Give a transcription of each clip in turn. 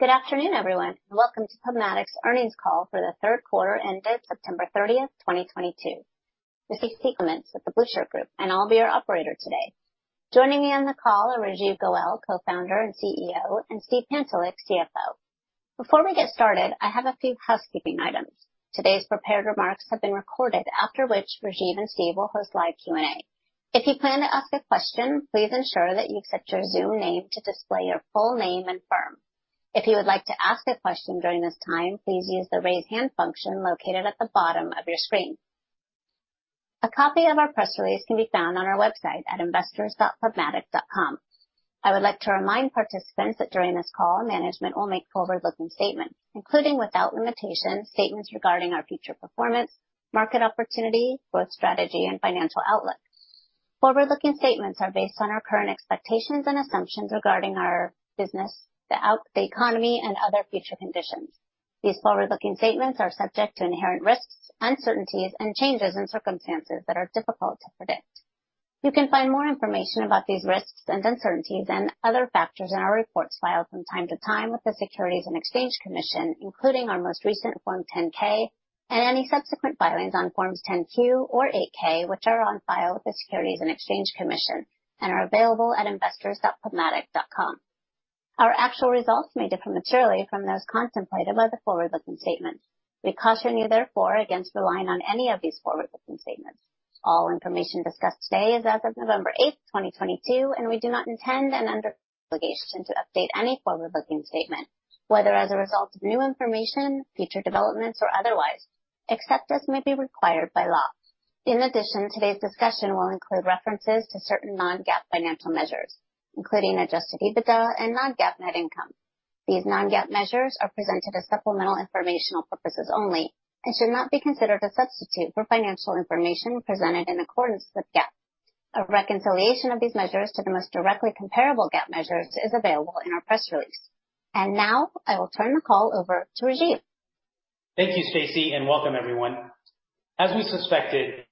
Good afternoon, everyone, and welcome to PubMatic's earnings call for the third quarter ended September 30, 2022. This is Stacy at The Blueshirt Group, and I'll be your operator today. Joining me on the call are Rajeev Goel, Co-Founder and CEO, and Steve Pantelick, CFO. Before we get started, I have a few housekeeping items. Today's prepared remarks have been recorded, after which Rajeev and Steve will host live Q&A. If you plan to ask a question, please ensure that you set your Zoom name to display your full name and firm. If you would like to ask a question during this time, please use the Raise Hand function located at the bottom of your screen. A copy of our press release can be found on our website at investors.pubmatic.com. I would like to remind participants that during this call management will make forward-looking statements, including without limitation, statements regarding our future performance, market opportunity, growth strategy and financial outlook. Forward-looking statements are based on our current expectations and assumptions regarding our business, the economy and other future conditions. These forward-looking statements are subject to inherent risks, uncertainties and changes in circumstances that are difficult to predict. You can find more information about these risks and uncertainties and other factors in our reports filed from time to time with the Securities and Exchange Commission, including our most recent Form 10-K, and any subsequent filings on Forms 10-Q or 8-K, which are on file with the Securities and Exchange Commission and are available at investors.pubmatic.com. Our actual results may differ materially from those contemplated by the forward-looking statements. We caution you, therefore, against relying on any of these forward-looking statements. All information discussed today is as of November 8, 2022, and we do not intend nor are under obligation to update any forward-looking statement, whether as a result of new information, future developments or otherwise, except as may be required by law. In addition, today's discussion will include references to certain non-GAAP financial measures, including adjusted EBITDA and non-GAAP net income. These non-GAAP measures are presented for supplemental informational purposes only and should not be considered a substitute for financial information presented in accordance with GAAP. A reconciliation of these measures to the most directly comparable GAAP measures is available in our press release. Now I will turn the call over to Rajeev. Thank you, Stacy, and welcome everyone. As we suspected,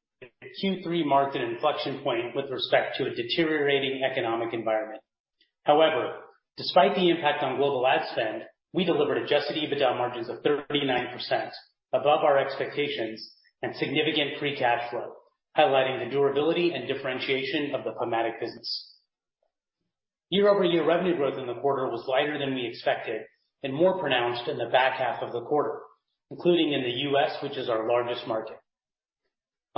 Q3 marked an inflection point with respect to a deteriorating economic environment. However, despite the impact on global ad spend, we delivered adjusted EBITDA margins of 39% above our expectations and significant free cash flow, highlighting the durability and differentiation of the PubMatic business. Year-over-year revenue growth in the quarter was lighter than we expected and more pronounced in the back half of the quarter, including in the U.S., which is our largest market.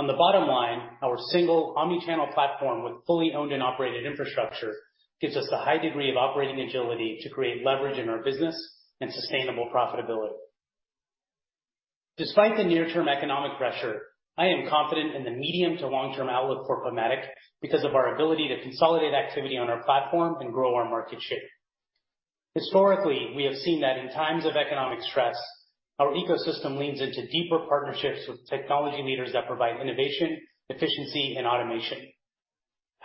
On the bottom line, our single omni-channel platform with fully owned and operated infrastructure gives us the high degree of operating agility to create leverage in our business and sustainable profitability. Despite the near-term economic pressure, I am confident in the medium to long term outlook for PubMatic because of our ability to consolidate activity on our platform and grow our market share. Historically, we have seen that in times of economic stress, our ecosystem leans into deeper partnerships with technology leaders that provide innovation, efficiency and automation.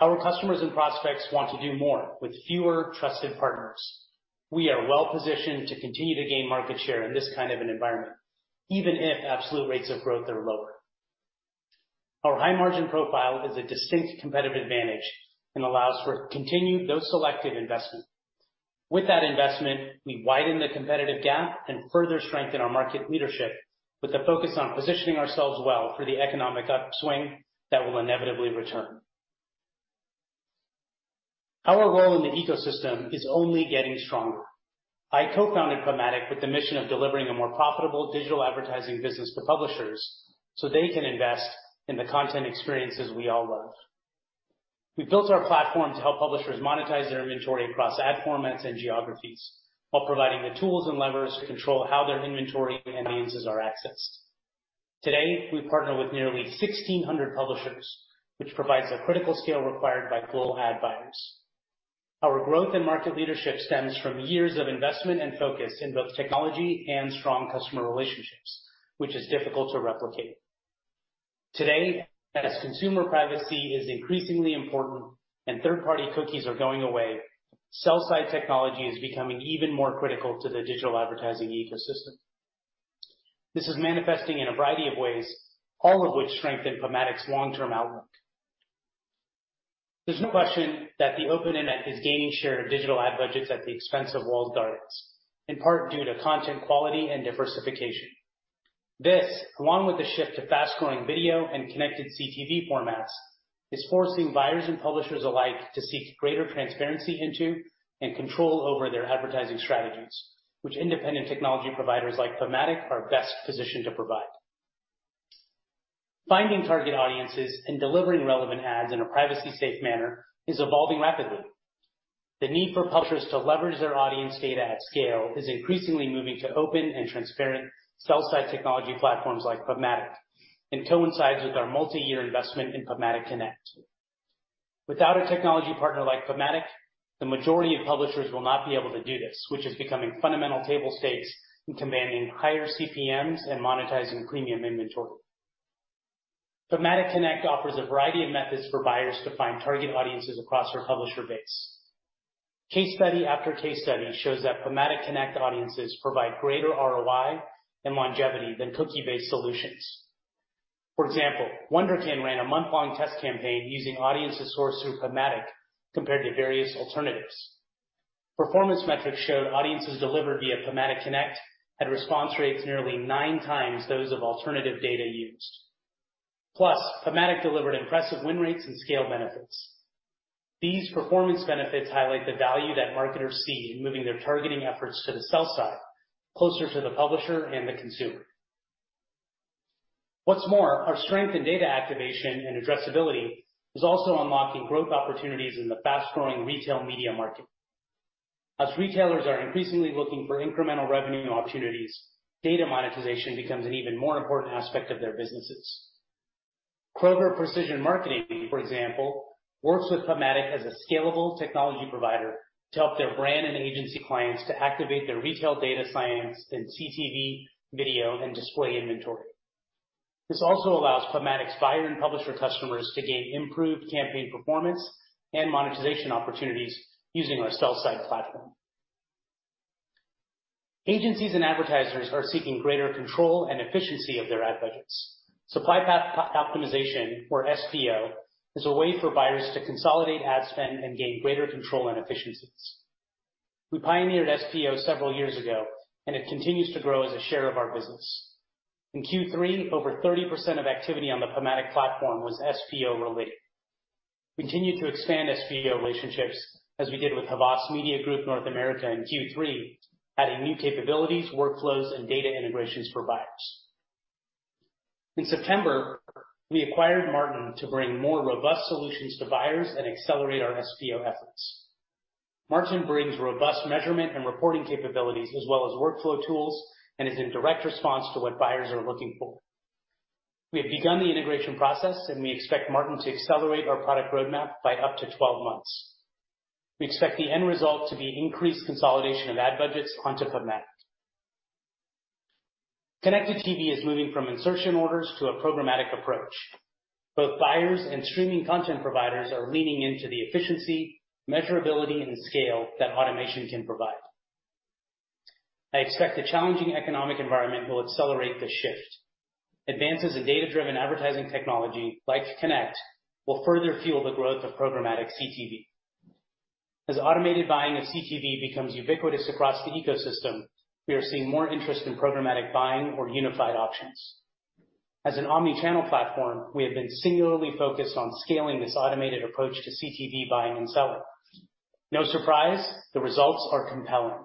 Our customers and prospects want to do more with fewer trusted partners. We are well positioned to continue to gain market share in this kind of an environment, even if absolute rates of growth are lower. Our high margin profile is a distinct competitive advantage and allows for continued, though selective investment. With that investment, we widen the competitive gap and further strengthen our market leadership with a focus on positioning ourselves well for the economic upswing that will inevitably return. Our role in the ecosystem is only getting stronger. I co-founded PubMatic with the mission of delivering a more profitable digital advertising business to publishers so they can invest in the content experiences we all love. We built our platform to help publishers monetize their inventory across ad formats and geographies, while providing the tools and levers to control how their inventory and audiences are accessed. Today, we partner with nearly 1,600 publishers, which provides a critical scale required by global ad buyers. Our growth and market leadership stems from years of investment and focus in both technology and strong customer relationships, which is difficult to replicate. Today, as consumer privacy is increasingly important and third-party cookies are going away, sell-side technology is becoming even more critical to the digital advertising ecosystem. This is manifesting in a variety of ways, all of which strengthen PubMatic's long-term outlook. There's no question that the open internet is gaining share of digital ad budgets at the expense of walled gardens, in part due to content quality and diversification. This, along with the shift to fast-growing video and connected CTV formats, is forcing buyers and publishers alike to seek greater transparency into and control over their advertising strategies, which independent technology providers like PubMatic are best positioned to provide. Finding target audiences and delivering relevant ads in a privacy-safe manner is evolving rapidly. The need for publishers to leverage their audience data at scale is increasingly moving to open and transparent sell-side technology platforms like PubMatic, and coincides with our multi-year investment in PubMatic Connect. Without a technology partner like PubMatic, the majority of publishers will not be able to do this, which is becoming fundamental table stakes in commanding higher CPMs and monetizing premium inventory. PubMatic Connect offers a variety of methods for buyers to find target audiences across our publisher base. Case study after case study shows that PubMatic Connect audiences provide greater ROI and longevity than cookie-based solutions. For example, Wunderkind ran a month-long test campaign using audiences sourced through PubMatic compared to various alternatives. Performance metrics showed audiences delivered via PubMatic Connect had response rates nearly nine times those of alternative data used. Plus, PubMatic delivered impressive win rates and scale benefits. These performance benefits highlight the value that marketers see in moving their targeting efforts to the sell side, closer to the publisher and the consumer. What's more, our strength in data activation and addressability is also unlocking growth opportunities in the fast-growing retail media market. As retailers are increasingly looking for incremental revenue opportunities, data monetization becomes an even more important aspect of their businesses. Kroger Precision Marketing, for example, works with PubMatic as a scalable technology provider to help their brand and agency clients to activate their retail data science in CTV, video, and display inventory. This also allows PubMatic's buyer and publisher customers to gain improved campaign performance and monetization opportunities using our sell-side platform. Agencies and advertisers are seeking greater control and efficiency of their ad budgets. Supply-path optimization, or SPO, is a way for buyers to consolidate ad spend and gain greater control and efficiencies. We pioneered SPO several years ago, and it continues to grow as a share of our business. In Q3, over 30% of activity on the PubMatic platform was SPO-related. We continued to expand SPO relationships, as we did with Havas Media Group North America in Q3, adding new capabilities, workflows, and data integrations for buyers. In September, we acquired Martin to bring more robust solutions to buyers and accelerate our SPO efforts. Martin brings robust measurement and reporting capabilities as well as workflow tools, and is in direct response to what buyers are looking for. We have begun the integration process, and we expect Martin to accelerate our product roadmap by up to 12 months. We expect the end result to be increased consolidation of ad budgets onto programmatic. Connected TV is moving from insertion orders to a programmatic approach. Both buyers and streaming content providers are leaning into the efficiency, measurability, and scale that automation can provide. I expect the challenging economic environment will accelerate this shift. Advances in data-driven advertising technology like Connect will further fuel the growth of programmatic CTV. As automated buying of CTV becomes ubiquitous across the ecosystem, we are seeing more interest in programmatic buying or unified options. As an omni-channel platform, we have been singularly focused on scaling this automated approach to CTV buying and selling. No surprise, the results are compelling.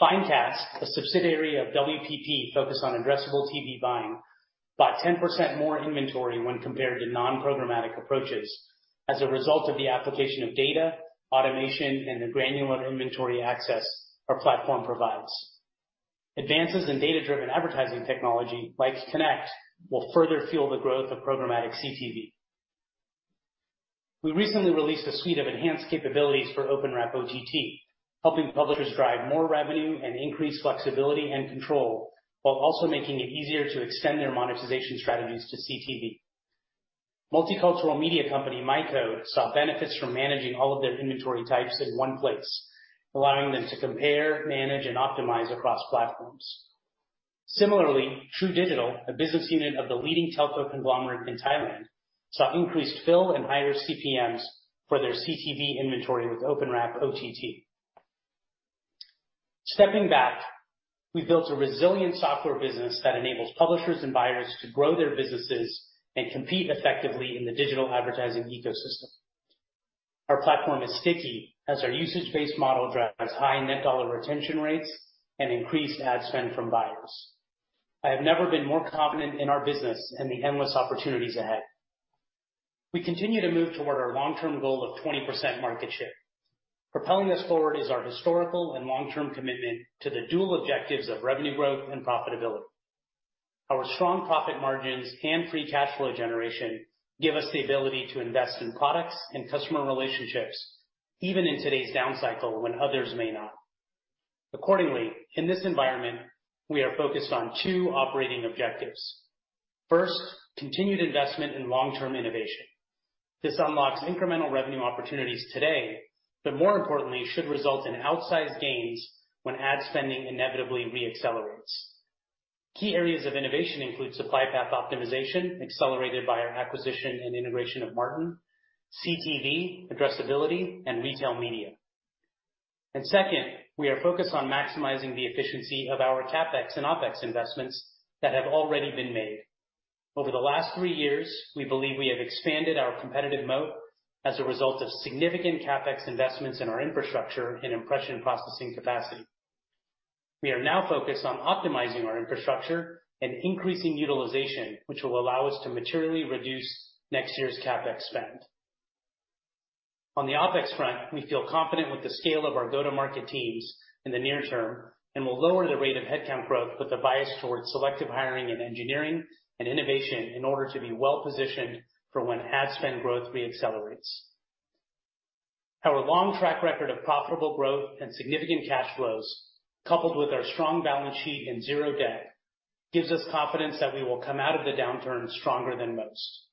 Finecast, a subsidiary of WPP focused on addressable TV buying, bought 10% more inventory when compared to non-programmatic approaches as a result of the application of data, automation, and the granular inventory access our platform provides. Advances in data-driven advertising technology like Connect will further fuel the growth of programmatic CTV. We recently released a suite of enhanced capabilities for OpenWrap OTT, helping publishers drive more revenue and increase flexibility and control, while also making it easier to extend their monetization strategies to CTV. Multicultural media company MICO saw benefits from managing all of their inventory types in one place, allowing them to compare, manage, and optimize across platforms. Similarly, True Digital Group, a business unit of the leading telco conglomerate in Thailand, saw increased fill and higher CPMs for their CTV inventory with OpenWrap OTT. Stepping back, we built a resilient software business that enables publishers and buyers to grow their businesses and compete effectively in the digital advertising ecosystem. Our platform is sticky as our usage-based model drives high net dollar-based retention rates and increased ad spend from buyers. I have never been more confident in our business and the endless opportunities ahead. We continue to move toward our long-term goal of 20% market share. Propelling us forward is our historical and long-term commitment to the dual objectives of revenue growth and profitability. Our strong profit margins and free cash flow generation give us the ability to invest in products and customer relationships, even in today's down cycle, when others may not. Accordingly, in this environment, we are focused on two operating objectives. First, continued investment in long-term innovation. This unlocks incremental revenue opportunities today, but more importantly, should result in outsized gains when ad spending inevitably re-accelerates. Key areas of innovation include supply path optimization, accelerated by our acquisition and integration of Martin, CTV addressability, and retail media. Second, we are focused on maximizing the efficiency of our CapEx and OpEx investments that have already been made. Over the last three years, we believe we have expanded our competitive moat as a result of significant CapEx investments in our infrastructure and impression processing capacity. We are now focused on optimizing our infrastructure and increasing utilization, which will allow us to materially reduce next year's CapEx spend. On the OpEx front, we feel confident with the scale of our go-to-market teams in the near term and will lower the rate of headcount growth with a bias towards selective hiring in engineering and innovation in order to be well-positioned for when ad spend growth re-accelerates. Our long track record of profitable growth and significant cash flows, coupled with our strong balance sheet and zero debt, gives us confidence that we will come out of the downturn stronger than most.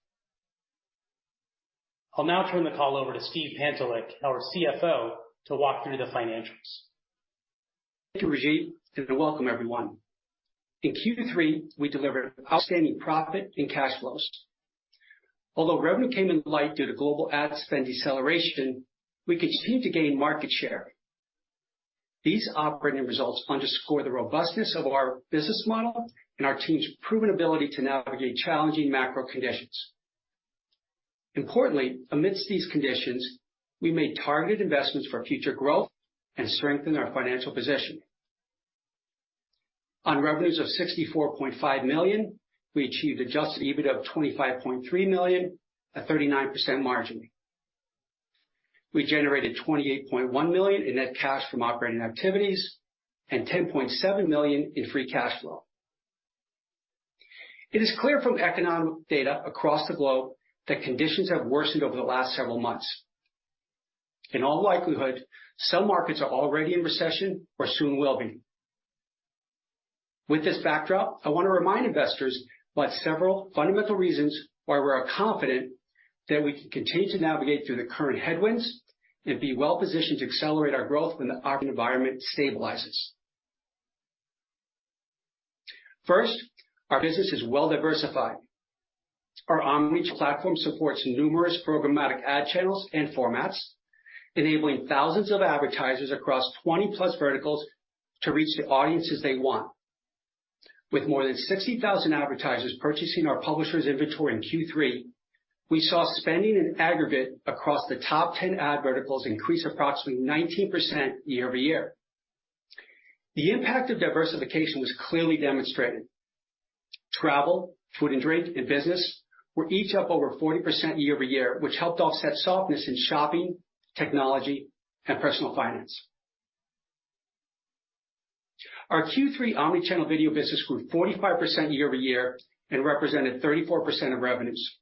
I'll now turn the call over to Steve Pantelick, our CFO, to walk through the financials. Thank you, Rajeev, and welcome everyone. In Q3, we delivered outstanding profit and cash flows. Although revenue came in light due to global ad spend deceleration, we continued to gain market share. These operating results underscore the robustness of our business model and our team's proven ability to navigate challenging macro conditions. Importantly, amidst these conditions, we made targeted investments for future growth and strengthened our financial position. On revenues of $64.5 million, we achieved adjusted EBITDA of $25.3 million, a 39% margin. We generated $28.1 million in net cash from operating activities and $10.7 million in free cash flow. It is clear from economic data across the globe that conditions have worsened over the last several months. In all likelihood, some markets are already in recession or soon will be. With this backdrop, I wanna remind investors about several fundamental reasons why we are confident that we can continue to navigate through the current headwinds and be well-positioned to accelerate our growth when the operating environment stabilizes. First, our business is well-diversified. Our omni-channel platform supports numerous programmatic ad channels and formats, enabling thousands of advertisers across 20-plus verticals to reach the audiences they want. With more than 60,000 advertisers purchasing our publishers' inventory in Q3, we saw spending in aggregate across the top 10 ad verticals increase approximately 19% year-over-year. The impact of diversification was clearly demonstrated. Travel, food and drink, and business were each up over 40% year-over-year, which helped offset softness in shopping, technology, and personal finance. Our Q3 omni-channel video business grew 45% year-over-year and represented 34% of revenues.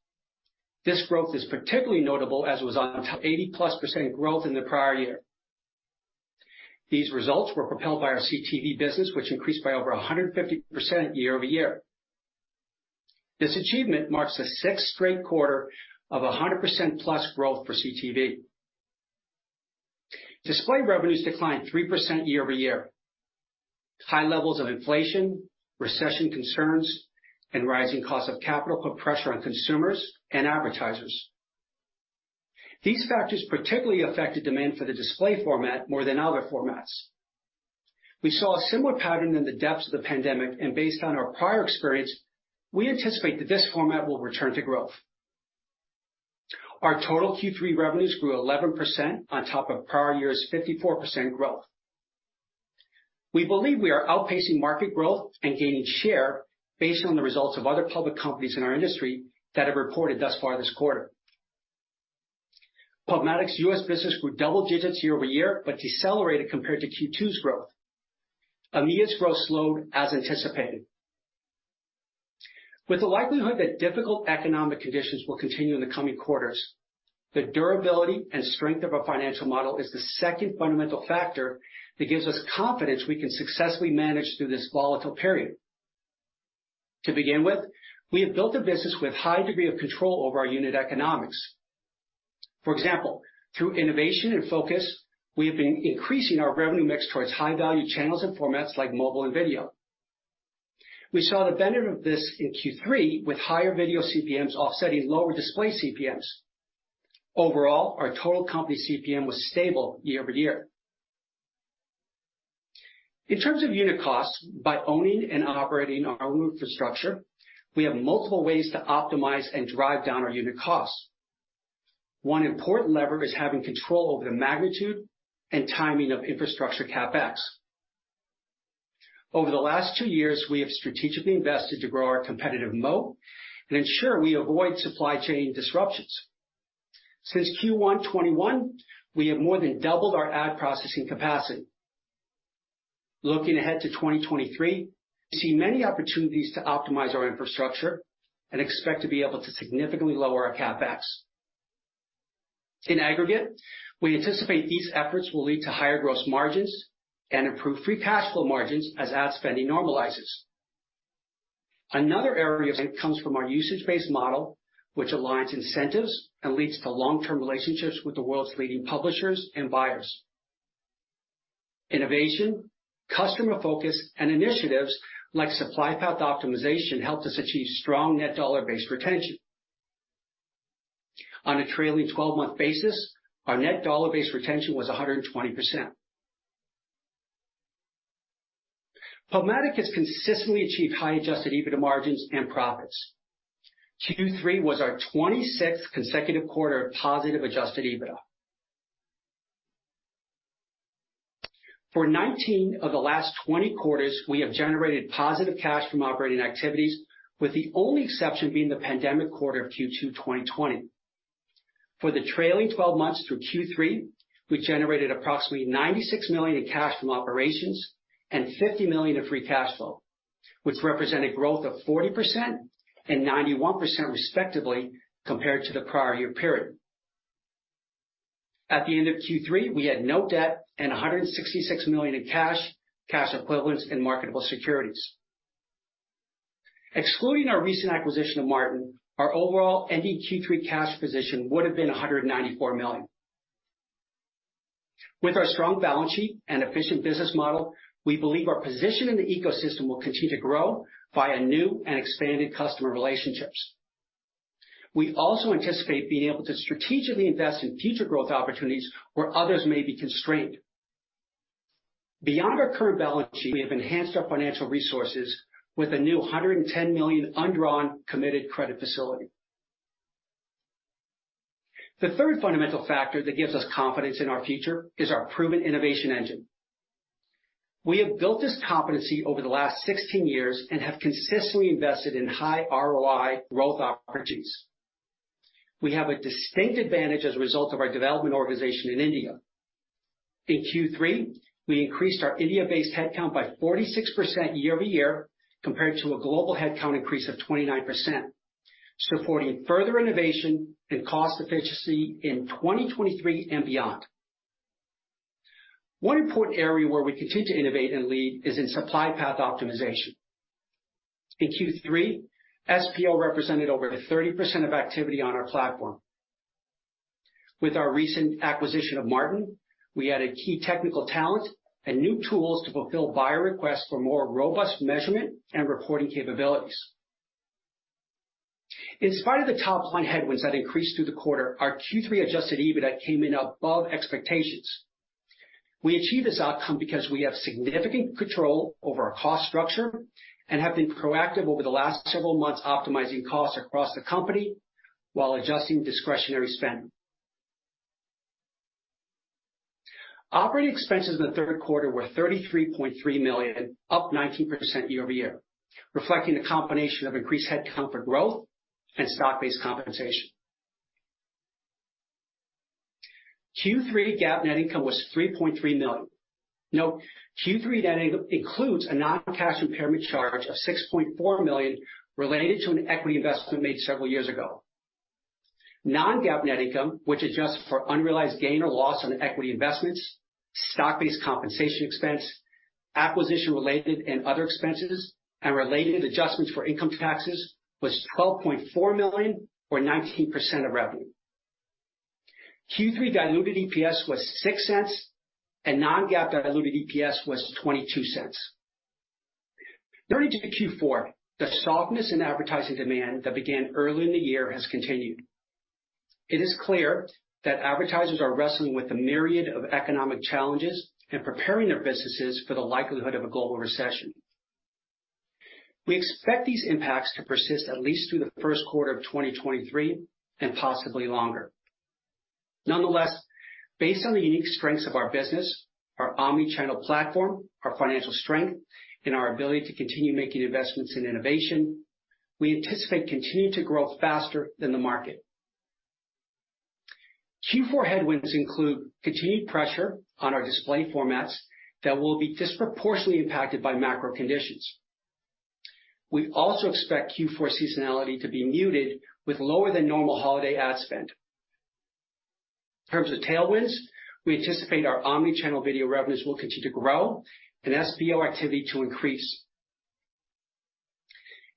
This growth is particularly notable as it was on top 80%+ growth in the prior year. These results were propelled by our CTV business, which increased by over 150% year-over-year. This achievement marks the sixth straight quarter of 100%+ growth for CTV. Display revenues declined 3% year-over-year. High levels of inflation, recession concerns, and rising costs of capital put pressure on consumers and advertisers. These factors particularly affected demand for the display format more than other formats. We saw a similar pattern in the depths of the pandemic, and based on our prior experience, we anticipate that this format will return to growth. Our total Q3 revenues grew 11% on top of prior year's 54% growth. We believe we are outpacing market growth and gaining share based on the results of other public companies in our industry that have reported thus far this quarter. PubMatic's US business grew double digits year-over-year, but decelerated compared to Q2's growth. EMEA's growth slowed as anticipated. With the likelihood that difficult economic conditions will continue in the coming quarters, the durability and strength of our financial model is the second fundamental factor that gives us confidence we can successfully manage through this volatile period. To begin with, we have built a business with high degree of control over our unit economics. For example, through innovation and focus, we have been increasing our revenue mix towards high-value channels and formats like mobile and video. We saw the benefit of this in Q3 with higher video CPMs offsetting lower display CPMs. Overall, our total company CPM was stable year-over-year. In terms of unit costs, by owning and operating our own infrastructure, we have multiple ways to optimize and drive down our unit costs. One important lever is having control over the magnitude and timing of infrastructure CapEx. Over the last 2 years, we have strategically invested to grow our competitive moat and ensure we avoid supply chain disruptions. Since Q1 2021, we have more than doubled our ad processing capacity. Looking ahead to 2023, we see many opportunities to optimize our infrastructure and expect to be able to significantly lower our CapEx. In aggregate, we anticipate these efforts will lead to higher gross margins and improve free cash flow margins as ad spending normalizes. Another area of strength comes from our usage-based model, which aligns incentives and leads to long-term relationships with the world's leading publishers and buyers. Innovation, customer focus, and initiatives like supply path optimization helped us achieve strong net dollar-based retention. On a trailing twelve-month basis, our net dollar-based retention was 120%. PubMatic has consistently achieved high adjusted EBITDA margins and profits. Q3 was our 26th consecutive quarter of positive adjusted EBITDA. For 19 of the last 20 quarters, we have generated positive cash from operating activities, with the only exception being the pandemic quarter of Q2 2020. For the trailing twelve months through Q3, we generated approximately $96 million in cash from operations and $50 million in free cash flow, which represented growth of 40% and 91% respectively, compared to the prior year period. At the end of Q3, we had no debt and $166 million in cash equivalents, and marketable securities. Excluding our recent acquisition of Martin, our overall ending Q3 cash position would have been $194 million. With our strong balance sheet and efficient business model, we believe our position in the ecosystem will continue to grow via new and expanded customer relationships. We also anticipate being able to strategically invest in future growth opportunities where others may be constrained. Beyond our current balance sheet, we have enhanced our financial resources with a new $110 million undrawn committed credit facility. The third fundamental factor that gives us confidence in our future is our proven innovation engine. We have built this competency over the last 16 years and have consistently invested in high ROI growth opportunities. We have a distinct advantage as a result of our development organization in India. In Q3, we increased our India-based headcount by 46% year-over-year compared to a global headcount increase of 29%, supporting further innovation and cost efficiency in 2023 and beyond. One important area where we continue to innovate and lead is in supply-path optimization. In Q3, SPO represented over 30% of activity on our platform. With our recent acquisition of Martin, we added key technical talent and new tools to fulfill buyer requests for more robust measurement and reporting capabilities. In spite of the top-line headwinds that increased through the quarter, our Q3 adjusted EBITDA came in above expectations. We achieved this outcome because we have significant control over our cost structure and have been proactive over the last several months optimizing costs across the company while adjusting discretionary spend. Operating expenses in the third quarter were $33.3 million, up 19% year-over-year, reflecting the combination of increased headcount for growth and stock-based compensation. Q3 GAAP net income was $3.3 million. Note, Q3 net income includes a non-cash impairment charge of $6.4 million related to an equity investment made several years ago. Non-GAAP net income, which adjusts for unrealized gain or loss on equity investments, stock-based compensation expense, acquisition-related and other expenses, and related adjustments for income taxes, was $12.4 million or 19% of revenue. Q3 diluted EPS was $0.06, and non-GAAP diluted EPS was $0.22. Turning to Q4, the softness in advertising demand that began early in the year has continued. It is clear that advertisers are wrestling with a myriad of economic challenges and preparing their businesses for the likelihood of a global recession. We expect these impacts to persist at least through the first quarter of 2023 and possibly longer. Nonetheless, based on the unique strengths of our business, our omni-channel platform, our financial strength, and our ability to continue making investments in innovation, we anticipate continuing to grow faster than the market. Q4 headwinds include continued pressure on our display formats that will be disproportionately impacted by macro conditions. We also expect Q4 seasonality to be muted with lower than normal holiday ad spend. In terms of tailwinds, we anticipate our omni-channel video revenues will continue to grow and SPO activity to increase.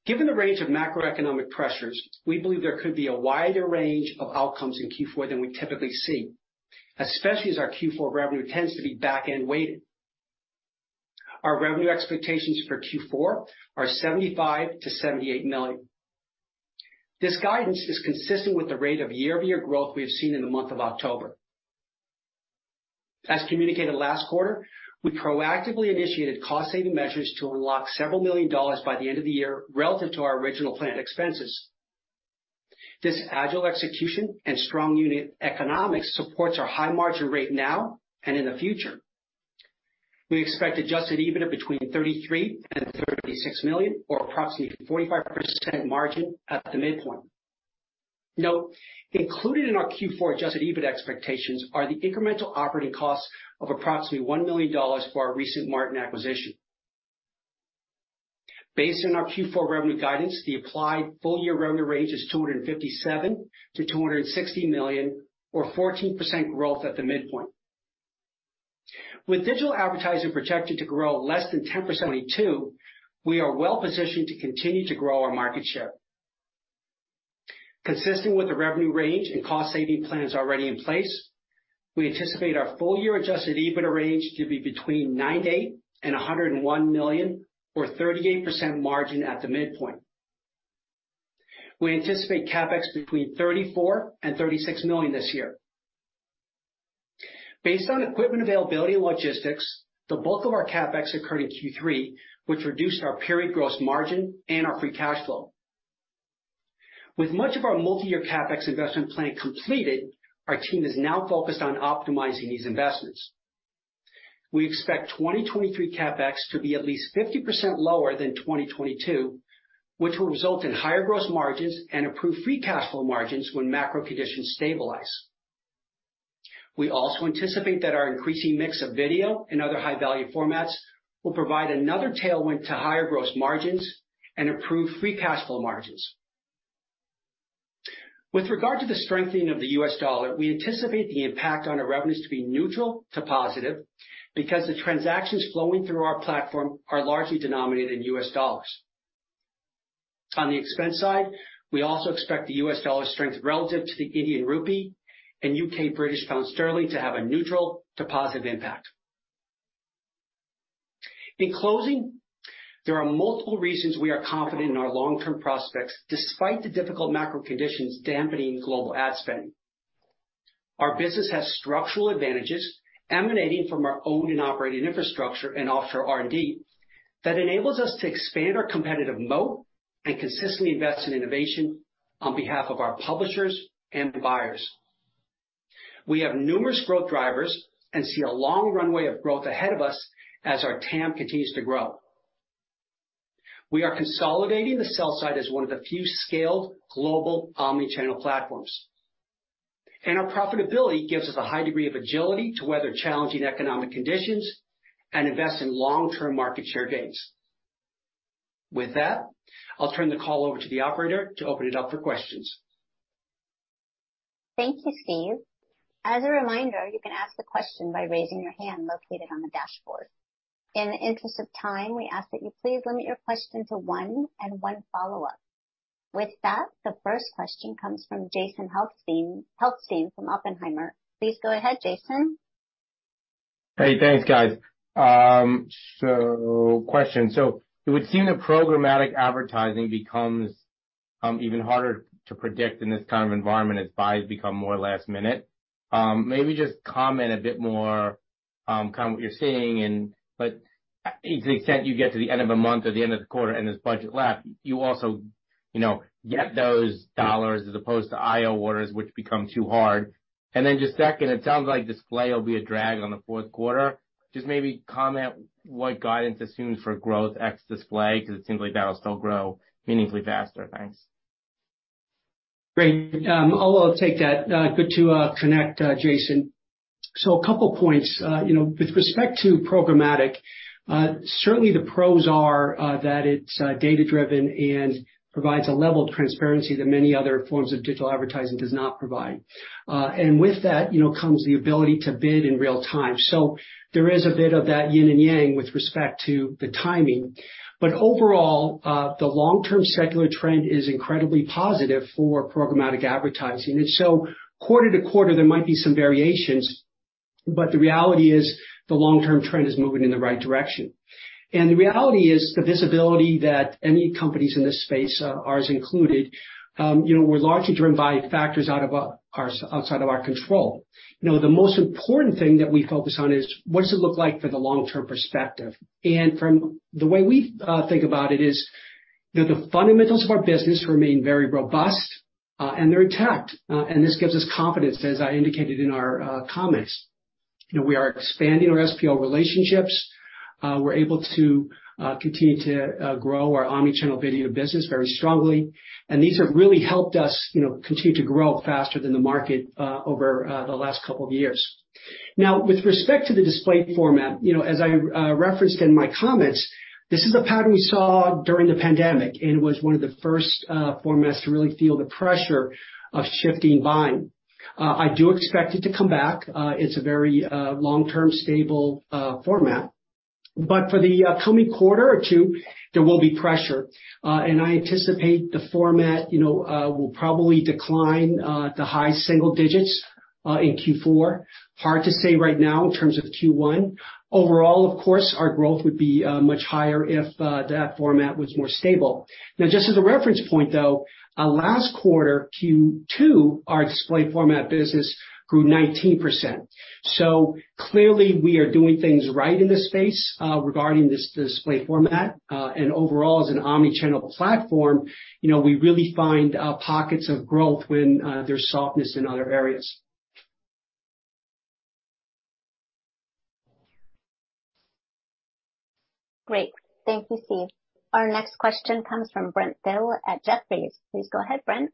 Given the range of macroeconomic pressures, we believe there could be a wider range of outcomes in Q4 than we typically see, especially as our Q4 revenue tends to be back-end weighted. Our revenue expectations for Q4 are $75 million-$78 million. This guidance is consistent with the rate of year-over-year growth we have seen in the month of October. As communicated last quarter, we proactively initiated cost-saving measures to unlock several million dollars by the end of the year relative to our original planned expenses. This agile execution and strong unit economics supports our high margin rate now and in the future. We expect adjusted EBITDA between $33 million and $36 million, or approximately 45% margin at the midpoint. Note, included in our Q4 adjusted EBITDA expectations are the incremental operating costs of approximately $1 million for our recent Martin acquisition. Based on our Q4 revenue guidance, the implied full year revenue range is $257 million-$260 million or 14% growth at the midpoint. With digital advertising projected to grow less than 10% in 2022, we are well-positioned to continue to grow our market share. Consistent with the revenue range and cost-saving plans already in place, we anticipate our full year adjusted EBITDA range to be between $98 million and $101 million or 38% margin at the midpoint. We anticipate CapEx between $34 million and $36 million this year. Based on equipment availability and logistics, the bulk of our CapEx occurred in Q3, which reduced our period gross margin and our free cash flow. With much of our multi-year CapEx investment plan completed, our team is now focused on optimizing these investments. We expect 2023 CapEx to be at least 50% lower than 2022, which will result in higher gross margins and improved free cash flow margins when macro conditions stabilize. We also anticipate that our increasing mix of video and other high-value formats will provide another tailwind to higher gross margins and improve free cash flow margins. With regard to the strengthening of the U.S. dollar, we anticipate the impact on our revenues to be neutral to positive because the transactions flowing through our platform are largely denominated in U.S. dollars. On the expense side, we also expect the U.S. dollar strength relative to the Indian rupee and U.K. British pound sterling to have a neutral to positive impact. In closing, there are multiple reasons we are confident in our long-term prospects despite the difficult macro conditions dampening global ad spend. Our business has structural advantages emanating from our own and operating infrastructure and offshore R&D that enables us to expand our competitive moat and consistently invest in innovation on behalf of our publishers and buyers. We have numerous growth drivers and see a long runway of growth ahead of us as our TAM continues to grow. We are consolidating the sell side as one of the few scaled global omni-channel platforms. Our profitability gives us a high degree of agility to weather challenging economic conditions and invest in long-term market share gains. With that, I'll turn the call over to the operator to open it up for questions. Thank you, Steve. As a reminder, you can ask the question by raising your hand located on the dashboard. In the interest of time, we ask that you please limit your question to one and one follow-up. With that, the first question comes from Jason Helfstein from Oppenheimer. Please go ahead, Jason. Hey, thanks, guys. Question. It would seem that programmatic advertising becomes even harder to predict in this kind of environment as buys become more last minute. Maybe just comment a bit more, kind of what you're seeing and the extent you get to the end of a month or the end of a quarter and there's budget left, you also, you know, get those dollars as opposed to IO orders which become too hard. Just second, it sounds like display will be a drag on the fourth quarter. Just maybe comment what guidance assumes for growth ex-display, 'cause it seems like that'll still grow meaningfully faster. Thanks. Great. I'll take that. Good to connect, Jason. A couple points. You know, with respect to programmatic, certainly the pros are that it's data-driven and provides a level of transparency that many other forms of digital advertising do not provide. With that, you know, comes the ability to bid in real time. There is a bit of that yin and yang with respect to the timing. Overall, the long-term secular trend is incredibly positive for programmatic advertising. Quarter to quarter, there might be some variations, but the reality is the long-term trend is moving in the right direction. The reality is the visibility that any company in this space, ours included, you know, we're largely driven by factors outside of our control. You know, the most important thing that we focus on is what does it look like for the long-term perspective. From the way we think about it is that the fundamentals of our business remain very robust, and they're intact. This gives us confidence, as I indicated in our comments. You know, we are expanding our SPO relationships. We're able to continue to grow our omni-channel video business very strongly. These have really helped us, you know, continue to grow faster than the market over the last couple of years. Now, with respect to the display format, you know, as I referenced in my comments, this is a pattern we saw during the pandemic, and it was one of the first formats to really feel the pressure of shifting buying. I do expect it to come back. It's a very long-term stable format. For the coming quarter or two, there will be pressure. I anticipate the format, you know, will probably decline to high single digits in Q4. Hard to say right now in terms of Q1. Overall, of course, our growth would be much higher if that format was more stable. Now, just as a reference point, though, last quarter, Q2, our display format business grew 19%. Clearly we are doing things right in this space regarding this display format. Overall, as an omni-channel platform, you know, we really find pockets of growth when there's softness in other areas. Great. Thank you, Steve. Our next question comes from Brent Thill at Jefferies. Please go ahead, Brent.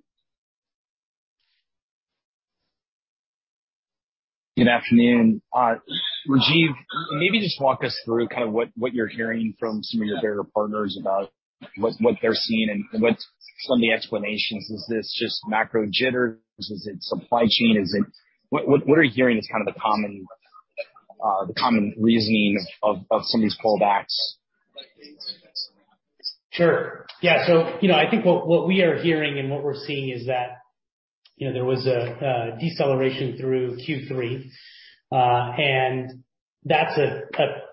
Good afternoon. Rajeev, maybe just walk us through kind of what you're hearing from some of your bigger partners about what they're seeing and what are some of the explanations. Is this just macro jitters? Is it supply chain? What are you hearing is kind of the common reasoning of some of these pullbacks? Sure. Yeah. You know, I think what we are hearing and what we're seeing is that, you know, there was a deceleration through Q3. And that's a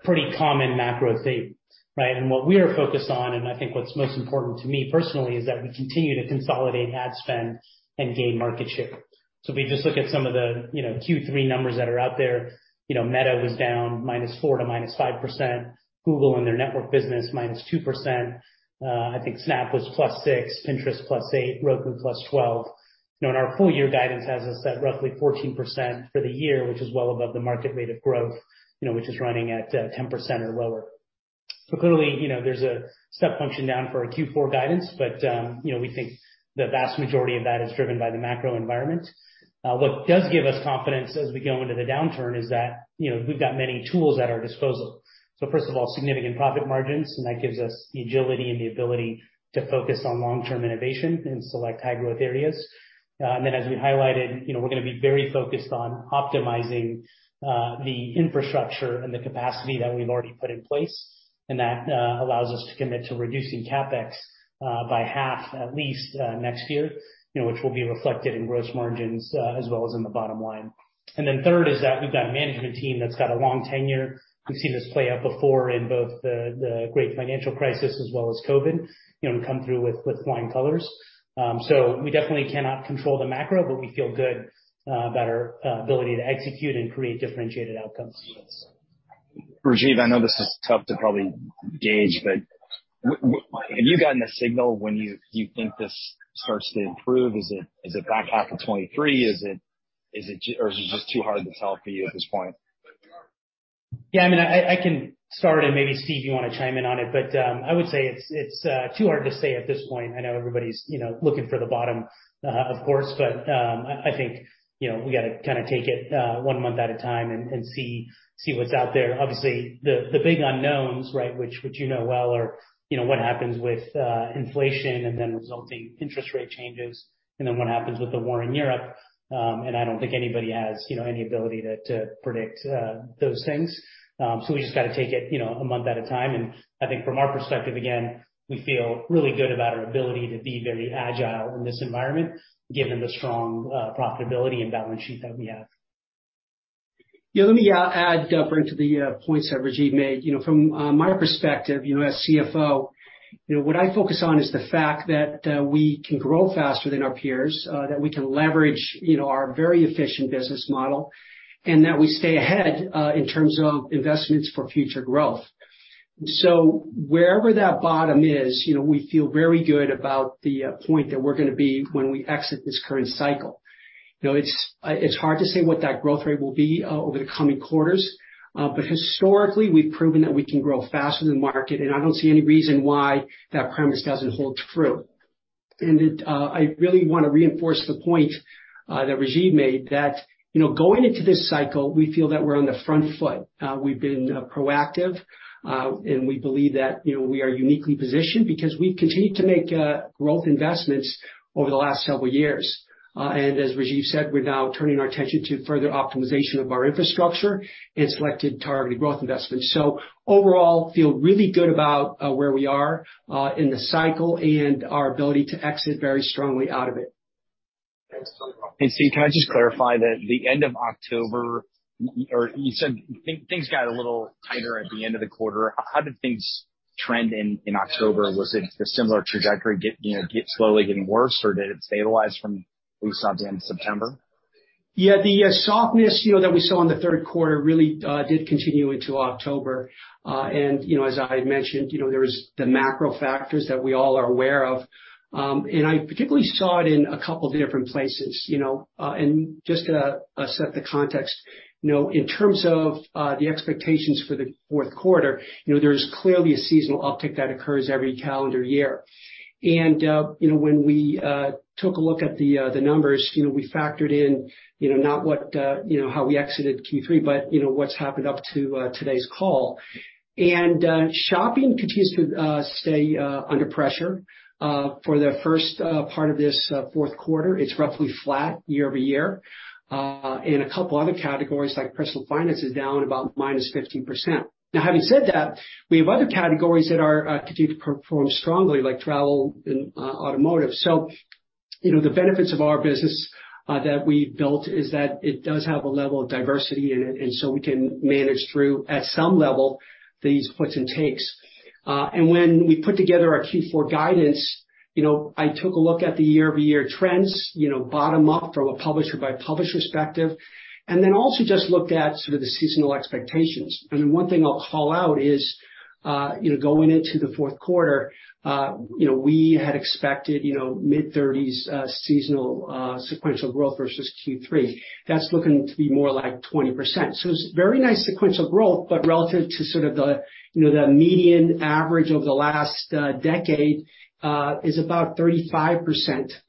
pretty common macro theme, right? What we are focused on, and I think what's most important to me personally, is that we continue to consolidate ad spend and gain market share. If we just look at some of the, you know, Q3 numbers that are out there, you know, Meta was down -4% to -5%, Google and their network business, -2%. I think Snap was +6%, Pinterest +8%, Roku +12%. You know, and our full year guidance has us at roughly 14% for the year, which is well above the market rate of growth, you know, which is running at 10% or lower. Clearly, you know, there's a step function down for our Q4 guidance, but, you know, we think the vast majority of that is driven by the macro environment. What does give us confidence as we go into the downturn is that, you know, we've got many tools at our disposal. First of all, significant profit margins, and that gives us the agility and the ability to focus on long-term innovation in select high growth areas. As we highlighted, you know, we're gonna be very focused on optimizing the infrastructure and the capacity that we've already put in place, and that allows us to commit to reducing CapEx by half, at least, next year. You know, which will be reflected in gross margins as well as in the bottom line. Third is that we've got a management team that's got a long tenure. We've seen this play out before in both the great financial crisis as well as COVID, you know, and come through with flying colors. We definitely cannot control the macro, but we feel good about our ability to execute and create differentiated outcomes for this. Rajeev, I know this is tough to probably gauge, but have you gotten a signal when you think this starts to improve? Is it back half of 2023? Is it or is it just too hard to tell for you at this point? I mean I can start and maybe Steve, you wanna chime in on it. I would say it's too hard to say at this point. I know everybody's, you know, looking for the bottom, of course. I think, you know, we gotta kinda take it one month at a time and see what's out there. Obviously, the big unknowns, right? Which you know well are, you know, what happens with inflation and then resulting interest rate changes, and then what happens with the war in Europe. I don't think anybody has, you know, any ability to predict those things. We just gotta take it, you know, a month at a time. I think from our perspective, again, we feel really good about our ability to be very agile in this environment, given the strong profitability and balance sheet that we have. Yeah. Let me add further to the points that Rajeev made. You know, from my perspective, you know, as CFO, you know, what I focus on is the fact that we can grow faster than our peers. That we can leverage, you know, our very efficient business model, and that we stay ahead in terms of investments for future growth. So wherever that bottom is, you know, we feel very good about the point that we're gonna be when we exit this current cycle. You know, it's hard to say what that growth rate will be over the coming quarters. Historically, we've proven that we can grow faster than market, and I don't see any reason why that premise doesn't hold true. I really want to reinforce the point that Rajeev made that, you know, going into this cycle, we feel that we're on the front foot. We've been proactive, and we believe that, you know, we are uniquely positioned because we continued to make growth investments over the last several years. As Rajeev said, we're now turning our attention to further optimization of our infrastructure and selected targeted growth investments. Overall, feel really good about where we are in the cycle and our ability to exit very strongly out of it. Steve, can I just clarify that the end of October or you said things got a little tighter at the end of the quarter. How did things trend in October? Was it a similar trajectory, you know, getting slowly worse or did it stabilize from what you saw at the end of September? Yeah. The softness, you know, that we saw in the third quarter really did continue into October. You know, as I had mentioned, you know, there was the macro factors that we all are aware of. I particularly saw it in a couple different places, you know. Just to set the context, you know, in terms of the expectations for the fourth quarter, you know, there's clearly a seasonal uptick that occurs every calendar year. You know, when we took a look at the numbers, you know, we factored in, you know, not what, you know, how we exited Q3, but, you know, what's happened up to today's call. Shopping continues to stay under pressure for the first part of this fourth quarter. It's roughly flat year-over-year. A couple other categories like personal finance is down about -15%. Now, having said that, we have other categories that continue to perform strongly like travel and automotive. You know, the benefits of our business that we've built is that it does have a level of diversity in it, and so we can manage through, at some level, these puts and takes. When we put together our Q4 guidance, you know, I took a look at the year-over-year trends, you know, bottom-up from a publisher by publisher perspective, and then also just looked at sort of the seasonal expectations. One thing I'll call out is, you know, going into the fourth quarter, you know, we had expected, you know, mid-30s seasonal sequential growth versus Q3. That's looking to be more like 20%. It's very nice sequential growth, but relative to sort of the, you know, the median average over the last decade is about 35%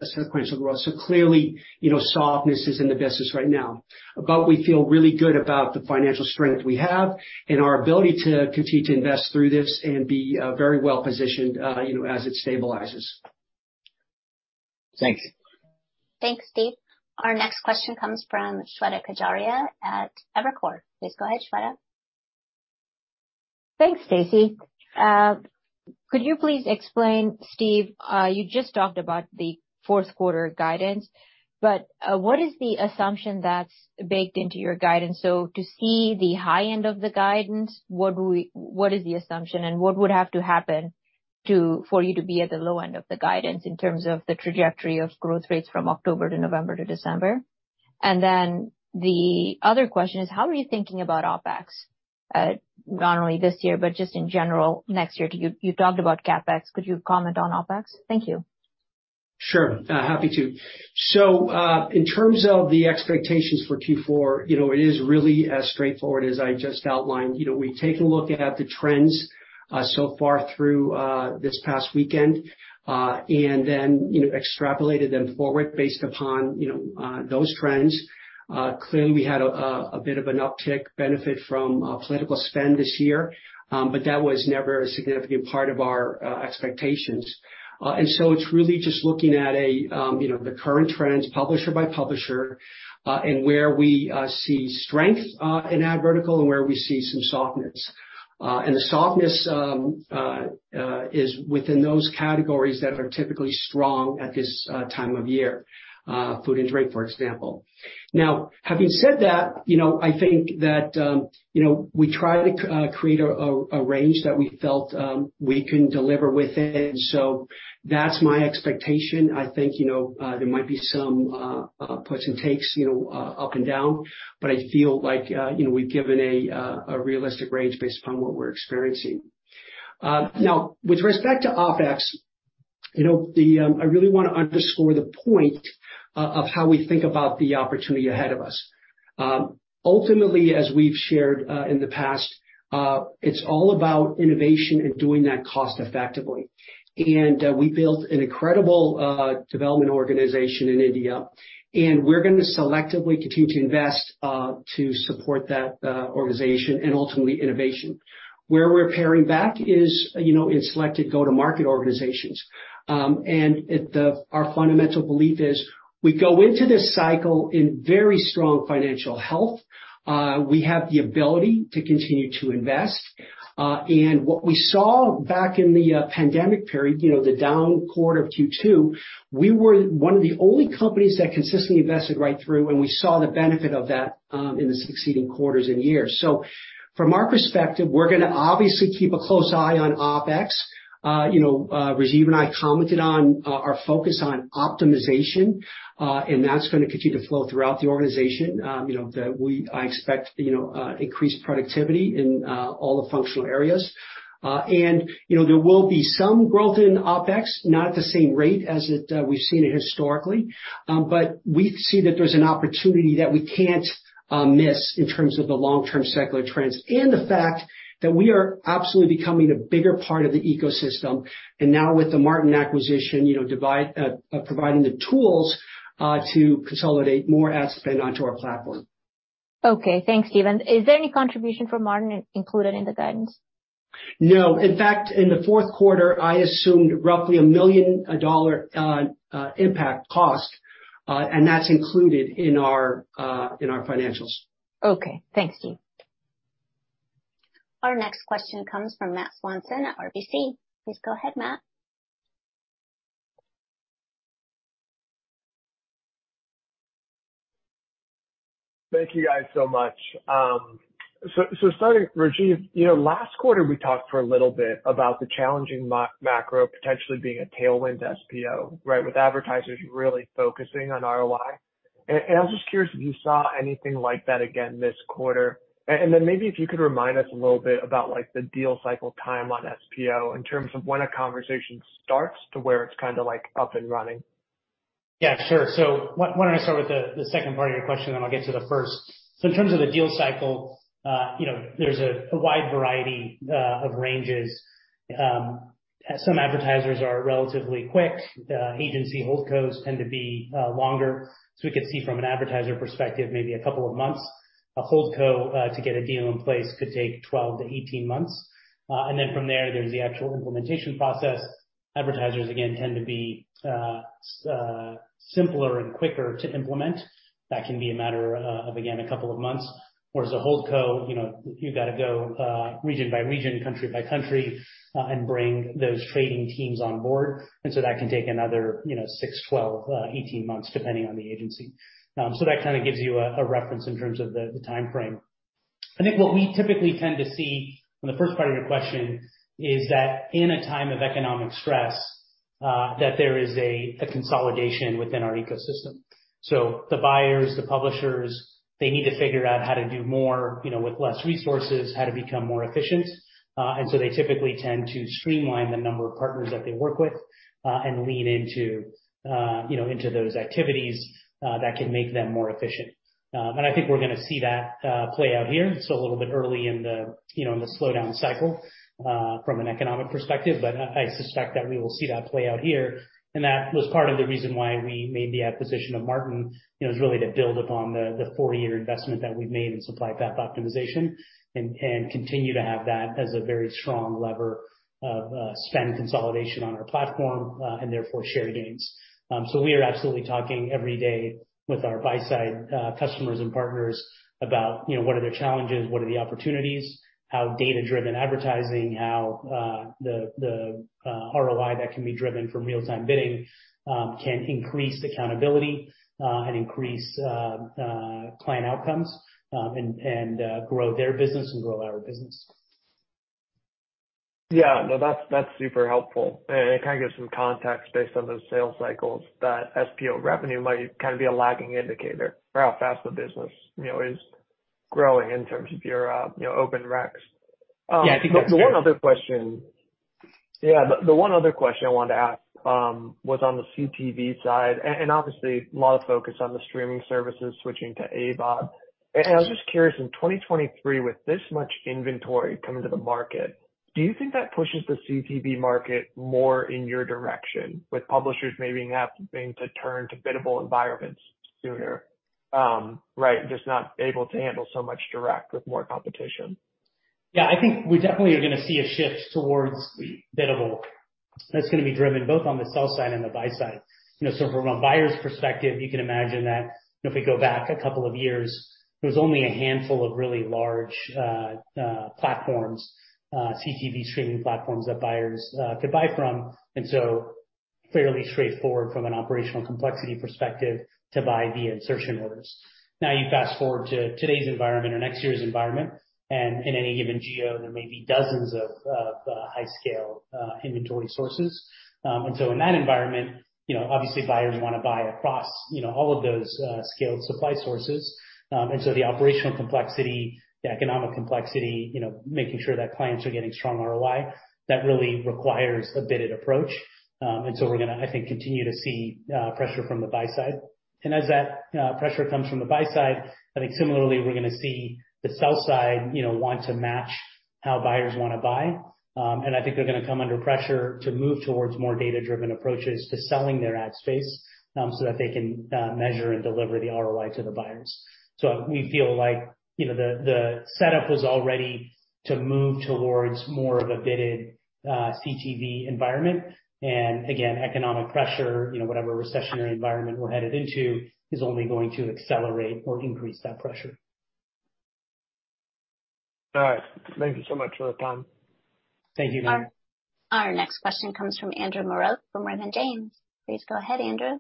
sequential growth. Clearly, you know, softness is in the business right now. We feel really good about the financial strength we have and our ability to continue to invest through this and be very well positioned, you know, as it stabilizes. Thanks. Thanks, Steve. Our next question comes from Shweta Khajuria at Evercore. Please go ahead, Shweta. Thanks, Stacy. Could you please explain, Steve, you just talked about the fourth quarter guidance, but what is the assumption that's baked into your guidance? So to see the high end of the guidance, what is the assumption and what would have to happen for you to be at the low end of the guidance in terms of the trajectory of growth rates from October to November to December? And then the other question is how are you thinking about OpEx, not only this year, but just in general next year? You talked about CapEx. Could you comment on OpEx? Thank you. Sure. Happy to. In terms of the expectations for Q4, you know, it is really as straightforward as I just outlined. You know, we take a look at the trends so far through this past weekend, and then, you know, extrapolated them forward based upon, you know, those trends. Clearly we had a bit of an uptick benefit from political spend this year, but that was never a significant part of our expectations. It's really just looking at, you know, the current trends publisher by publisher, and where we see strength in ad vertical and where we see some softness. The softness is within those categories that are typically strong at this time of year, food and drink, for example. Now, having said that, you know, I think that, you know, we try to create a range that we felt we can deliver within. So that's my expectation. I think, you know, there might be some puts and takes, you know, up and down, but I feel like, you know, we've given a realistic range based upon what we're experiencing. Now, with respect to OpEx, you know, I really wanna underscore the point of how we think about the opportunity ahead of us. Ultimately, as we've shared, in the past, it's all about innovation and doing that cost effectively. We built an incredible development organization in India, and we're gonna selectively continue to invest to support that organization and ultimately innovation. Where we're paring back is, you know, in selected go-to-market organizations. Our fundamental belief is we go into this cycle in very strong financial health. We have the ability to continue to invest. What we saw back in the pandemic period, you know, the down quarter of Q2, we were one of the only companies that consistently invested right through, and we saw the benefit of that in the succeeding quarters and years. From our perspective, we're gonna obviously keep a close eye on OpEx. You know, Rajeev and I commented on our focus on optimization, and that's gonna continue to flow throughout the organization. You know, I expect, you know, increased productivity in all the functional areas. You know, there will be some growth in OpEx, not at the same rate as we've seen it historically. We see that there's an opportunity that we can't miss in terms of the long-term secular trends and the fact that we are absolutely becoming a bigger part of the ecosystem. Now with the Martin acquisition, you know, providing the tools to consolidate more ad spend onto our platform. Okay. Thanks, Steve. Is there any contribution from Martin included in the guidance? No. In fact, in the fourth quarter, I assumed roughly $1 million impact cost, and that's included in our financials. Okay. Thanks, Steve. Our next question comes from Matthew Swanson at RBC. Please go ahead, Matthew. Thank you guys so much. Starting, Rajeev, you know, last quarter, we talked for a little bit about the challenging macro potentially being a tailwind to SPO, right? With advertisers really focusing on ROI. I was just curious if you saw anything like that again this quarter. Then maybe if you could remind us a little bit about, like, the deal cycle time on SPO in terms of when a conversation starts to where it's kinda, like, up and running. Yeah, sure. Why don't I start with the second part of your question, then I'll get to the first. In terms of the deal cycle, you know, there's a wide variety of ranges. Some advertisers are relatively quick. Agency holdcos tend to be longer. We could see from an advertiser perspective maybe a couple of months. A holdco to get a deal in place could take 12-18 months. Then there's the actual implementation process. Advertisers, again, tend to be simpler and quicker to implement. That can be a matter of, again, a couple of months. Whereas a holdco, you know, you've gotta go region by region, country by country, and bring those trading teams on board. That can take another, you know, 6, 12, 18 months, depending on the agency. That kinda gives you a reference in terms of the timeframe. I think what we typically tend to see, on the first part of your question, is that in a time of economic stress, that there is a consolidation within our ecosystem. The buyers, the publishers, they need to figure out how to do more, you know, with less resources, how to become more efficient. They typically tend to streamline the number of partners that they work with, and lean into, you know, those activities that can make them more efficient. I think we're gonna see that play out here. It's a little bit early in the, you know, in the slowdown cycle from an economic perspective, but I suspect that we will see that play out here. That was part of the reason why we made the acquisition of Martin, you know, is really to build upon the four-year investment that we've made in supply-path optimization and continue to have that as a very strong lever of spend consolidation on our platform and therefore share gains. We are absolutely talking every day with our buy-side customers and partners about, you know, what are their challenges, what are the opportunities, how data-driven advertising, how the ROI that can be driven from real-time bidding can increase accountability and increase client outcomes and grow their business and grow our business. Yeah. No, that's super helpful. It kinda gives some context based on those sales cycles that SPO revenue might kinda be a lagging indicator for how fast the business, you know, is growing in terms of your OpenWrap. The one other question I wanted to ask was on the CTV side, and obviously a lot of focus on the streaming services switching to AVOD. I was just curious, in 2023, with this much inventory coming to the market, do you think that pushes the CTV market more in your direction with publishers maybe having to turn to biddable environments sooner? Right, just not able to handle so much direct with more competition. Yeah. I think we definitely are gonna see a shift towards biddable that's gonna be driven both on the sell side and the buy side. You know, from a buyer's perspective, you can imagine that if we go back a couple of years, there was only a handful of really large platforms, CTV streaming platforms that buyers could buy from, and fairly straightforward from an operational complexity perspective to buy via insertion orders. Now, you fast-forward to today's environment or next year's environment, and in any given geo, there may be dozens of high scale inventory sources. In that environment, you know, obviously buyers wanna buy across, you know, all of those scaled supply sources. The operational complexity, the economic complexity, you know, making sure that clients are getting strong ROI, that really requires a bid-based approach. We're gonna, I think, continue to see pressure from the buy side. As that pressure comes from the buy side, I think similarly, we're gonna see the sell side, you know, want to match how buyers wanna buy. I think they're gonna come under pressure to move towards more data-driven approaches to selling their ad space, so that they can measure and deliver the ROI to the buyers. We feel like, you know, the setup was already to move towards more of a bid-based CTV environment. Economic pressure, you know, whatever recessionary environment we're headed into, is only going to accelerate or increase that pressure. All right. Thank you so much for the time. Thank you. Our next question comes from Andrew Moreau from Morgan James. Please go ahead, Andrew.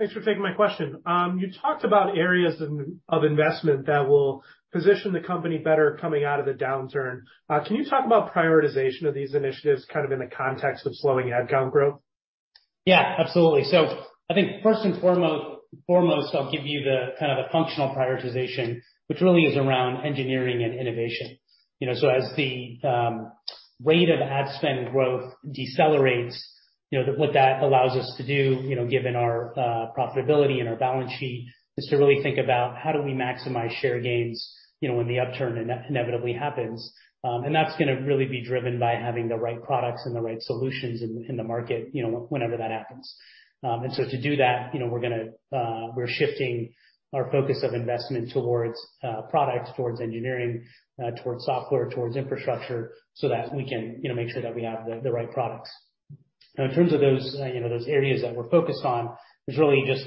Thanks for taking my question. You talked about areas of investment that will position the company better coming out of the downturn. Can you talk about prioritization of these initiatives kind of in the context of slowing ad count growth? Yeah, absolutely. I think first and foremost, I'll give you the kind of functional prioritization, which really is around engineering and innovation. You know, as the rate of ad spend growth decelerates, you know, what that allows us to do, you know, given our profitability and our balance sheet, is to really think about how do we maximize share gains, you know, when the upturn inevitably happens. That's gonna really be driven by having the right products and the right solutions in the market, you know, whenever that happens. To do that, you know, we're shifting our focus of investment towards products, towards engineering, towards software, towards infrastructure, so that we can, you know, make sure that we have the right products. Now, in terms of those, you know, those areas that we're focused on, there's really just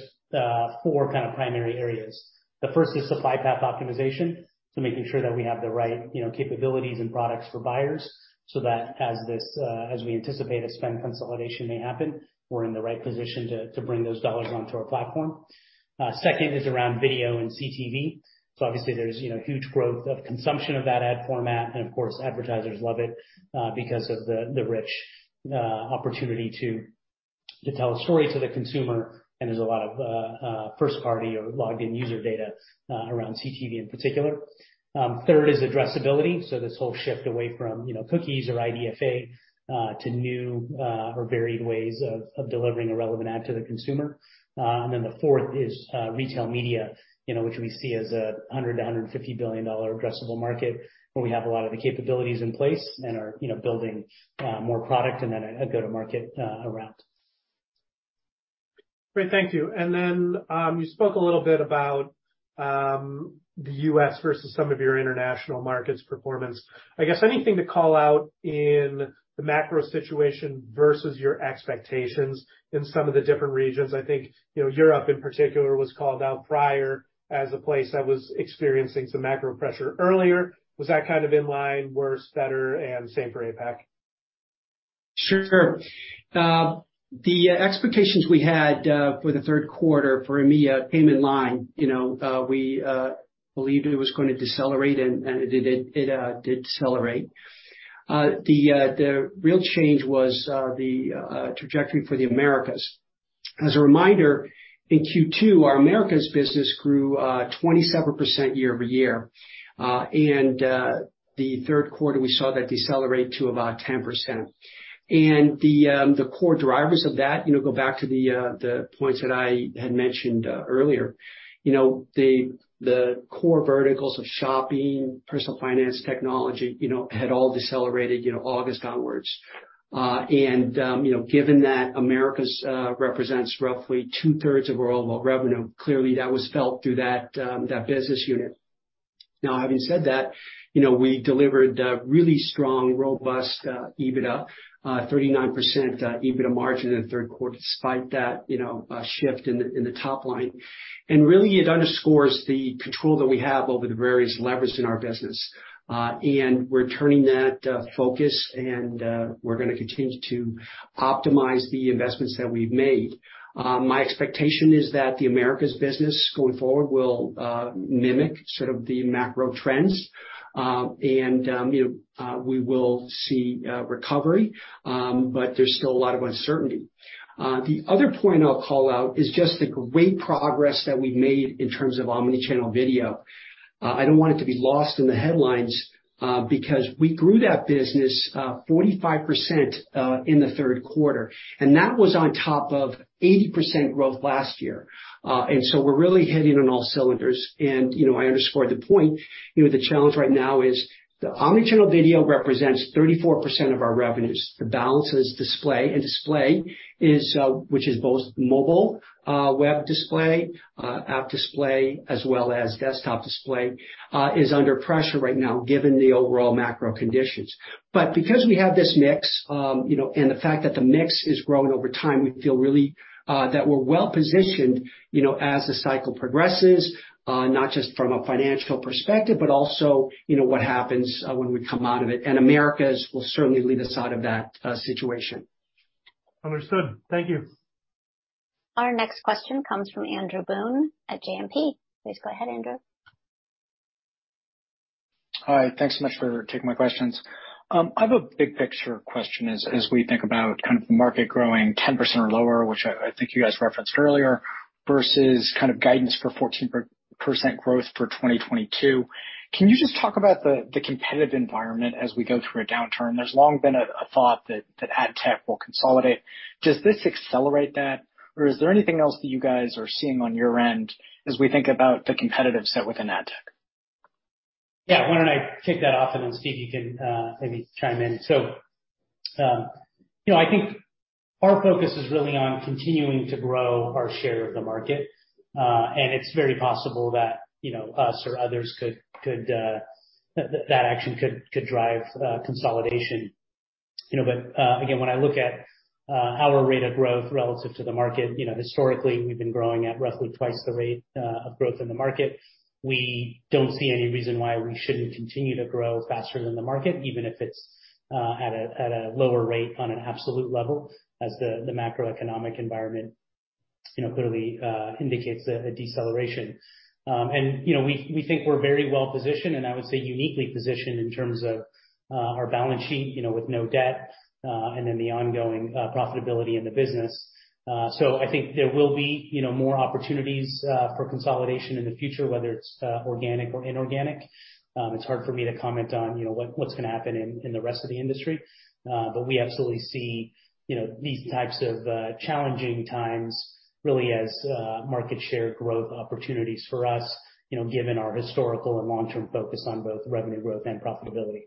four kind of primary areas. The first is supply path optimization, so making sure that we have the right, you know, capabilities and products for buyers so that as this, as we anticipate a spend consolidation may happen, we're in the right position to bring those dollars onto our platform. Second is around video and CTV. So obviously there's, you know, huge growth of consumption of that ad format, and of course, advertisers love it because of the rich opportunity to tell a story to the consumer. There's a lot of first party or logged in user data around CTV in particular. Third is addressability. This whole shift away from, you know, cookies or IDFA to new or varied ways of delivering a relevant ad to the consumer. Then the fourth is retail media, you know, which we see as a $100 billion-$150 billion addressable market, where we have a lot of the capabilities in place and are, you know, building more product and then a go-to-market around. Great. Thank you. You spoke a little bit about the U.S. versus some of your international markets performance. I guess anything to call out in the macro situation versus your expectations in some of the different regions? I think, you know, Europe in particular was called out prior as a place that was experiencing some macro pressure earlier. Was that kind of in line, worse, better, and same for APAC? Sure. The expectations we had for the third quarter for EMEA came in line. You know, we believed it was gonna decelerate, and it did. It did decelerate. The real change was the trajectory for the Americas. As a reminder, in Q2, our Americas business grew 27% year-over-year. The third quarter, we saw that decelerate to about 10%. The core drivers of that, you know, go back to the points that I had mentioned earlier. You know, the core verticals of shopping, personal finance, technology, you know, had all decelerated, you know, August onwards. You know, given that Americas represents roughly two-thirds of our overall revenue, clearly that was felt through that business unit. Now, having said that, you know, we delivered a really strong, robust, EBITDA, 39% EBITDA margin in the third quarter despite that, you know, shift in the top line. Really, it underscores the control that we have over the various levers in our business. We're turning that focus and we're gonna continue to optimize the investments that we've made. My expectation is that the Americas business going forward will mimic sort of the macro trends. You know, we will see recovery, but there's still a lot of uncertainty. The other point I'll call out is just the great progress that we've made in terms of omni-channel video. I don't want it to be lost in the headlines, because we grew that business 45% in the third quarter, and that was on top of 80% growth last year. We're really hitting on all cylinders. You know, I underscored the point, you know, the challenge right now is the omni-channel video represents 34% of our revenues. The balance is display, and display is, which is both mobile, web display, app display, as well as desktop display, is under pressure right now given the overall macro conditions. Because we have this mix, you know, and the fact that the mix is growing over time, we feel really, that we're well-positioned, you know, as the cycle progresses, not just from a financial perspective, but also, you know, what happens, when we come out of it. Americas will certainly lead us out of that situation. Understood. Thank you. Our next question comes from Andrew Boone at JMP. Please go ahead, Andrew. Hi. Thanks so much for taking my questions. I have a big picture question as we think about kind of the market growing 10% or lower, which I think you guys referenced earlier, versus kind of guidance for 14% growth for 2022. Can you just talk about the competitive environment as we go through a downturn? There's long been a thought that ad tech will consolidate. Does this accelerate that? Or is there anything else that you guys are seeing on your end as we think about the competitive set within ad tech? Yeah. Why don't I kick that off, and then Steve, you can maybe chime in. You know, I think our focus is really on continuing to grow our share of the market. It's very possible that, you know, that action could drive consolidation. You know, again, when I look at our rate of growth relative to the market, you know, historically, we've been growing at roughly twice the rate of growth in the market. We don't see any reason why we shouldn't continue to grow faster than the market, even if it's at a lower rate on an absolute level as the macroeconomic environment, you know, clearly indicates a deceleration. You know, we think we're very well-positioned, and I would say uniquely positioned in terms of our balance sheet, you know, with no debt and then the ongoing profitability in the business. I think there will be you know more opportunities for consolidation in the future, whether it's organic or inorganic. It's hard for me to comment on you know what's gonna happen in the rest of the industry. We absolutely see you know these types of challenging times really as market share growth opportunities for us, you know, given our historical and long-term focus on both revenue growth and profitability.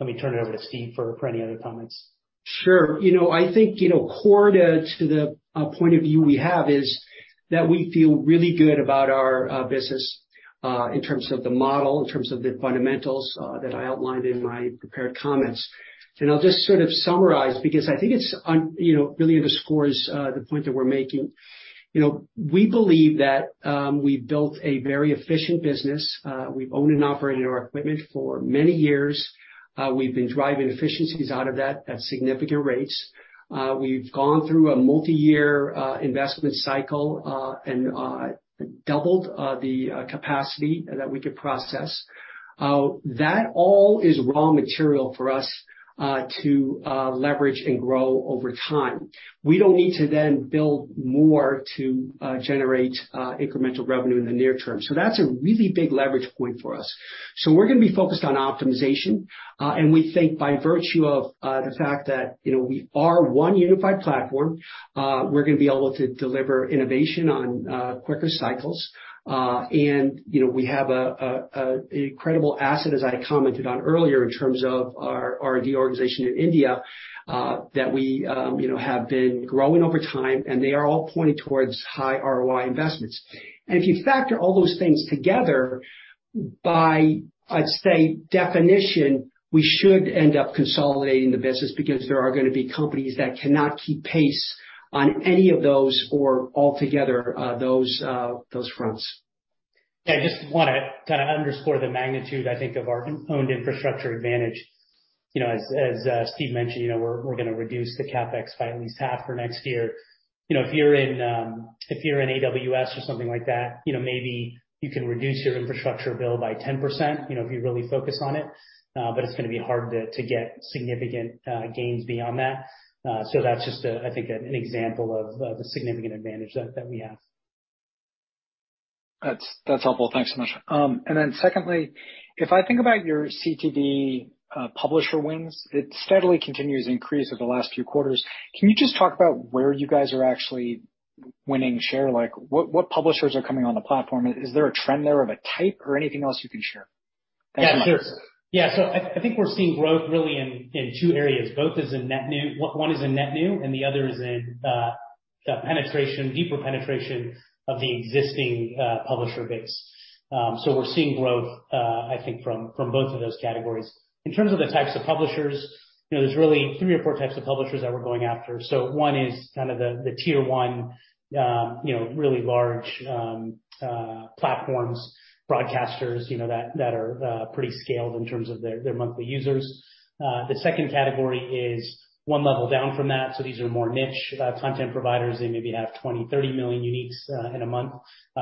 Let me turn it over to Steve for any other comments. Sure. You know, I think, you know, core to the point of view we have is that we feel really good about our business in terms of the model, in terms of the fundamentals that I outlined in my prepared comments. I'll just sort of summarize because I think it's you know, really underscores the point that we're making. You know, we believe that we've built a very efficient business. We've owned and operated our equipment for many years. We've been driving efficiencies out of that at significant rates. We've gone through a multiyear investment cycle and doubled the capacity that we could process. That all is raw material for us to leverage and grow over time. We don't need to then build more to generate incremental revenue in the near term. That's a really big leverage point for us. We're gonna be focused on optimization, and we think by virtue of the fact that, you know, we are one unified platform, we're gonna be able to deliver innovation on quicker cycles. You know, we have a credible asset, as I commented on earlier, in terms of our R&D organization in India, that we, you know, have been growing over time, and they are all pointing towards high ROI investments. If you factor all those things together, by, I'd say, definition, we should end up consolidating the business because there are gonna be companies that cannot keep pace on any of those or altogether, those fronts. Yeah, I just wanna kinda underscore the magnitude, I think, of our owned infrastructure advantage. You know, Steve mentioned, you know, we're gonna reduce the CapEx by at least half for next year. You know, if you're in AWS or something like that, you know, maybe you can reduce your infrastructure bill by 10%, you know, if you really focus on it. It's gonna be hard to get significant gains beyond that. That's just a, I think, an example of a significant advantage that we have. That's helpful. Thanks so much. Secondly, if I think about your CTV publisher wins, it steadily continues to increase over the last few quarters. Can you just talk about where you guys are actually winning share? Like, what publishers are coming on the platform? Is there a trend there of a type or anything else you can share? Thanks so much. Yeah, sure. Yeah. I think we're seeing growth really in two areas, both in net new. One is in net new, and the other is in the penetration, deeper penetration of the existing publisher base. We're seeing growth I think from both of those categories. In terms of the types of publishers, you know, there's really three or four types of publishers that we're going after. One is kind of the tier one, you know, really large platforms, broadcasters, you know, that are pretty scaled in terms of their monthly users. The second category is one level down from that. These are more niche content providers. They maybe have 20, 30 million uniques in a month,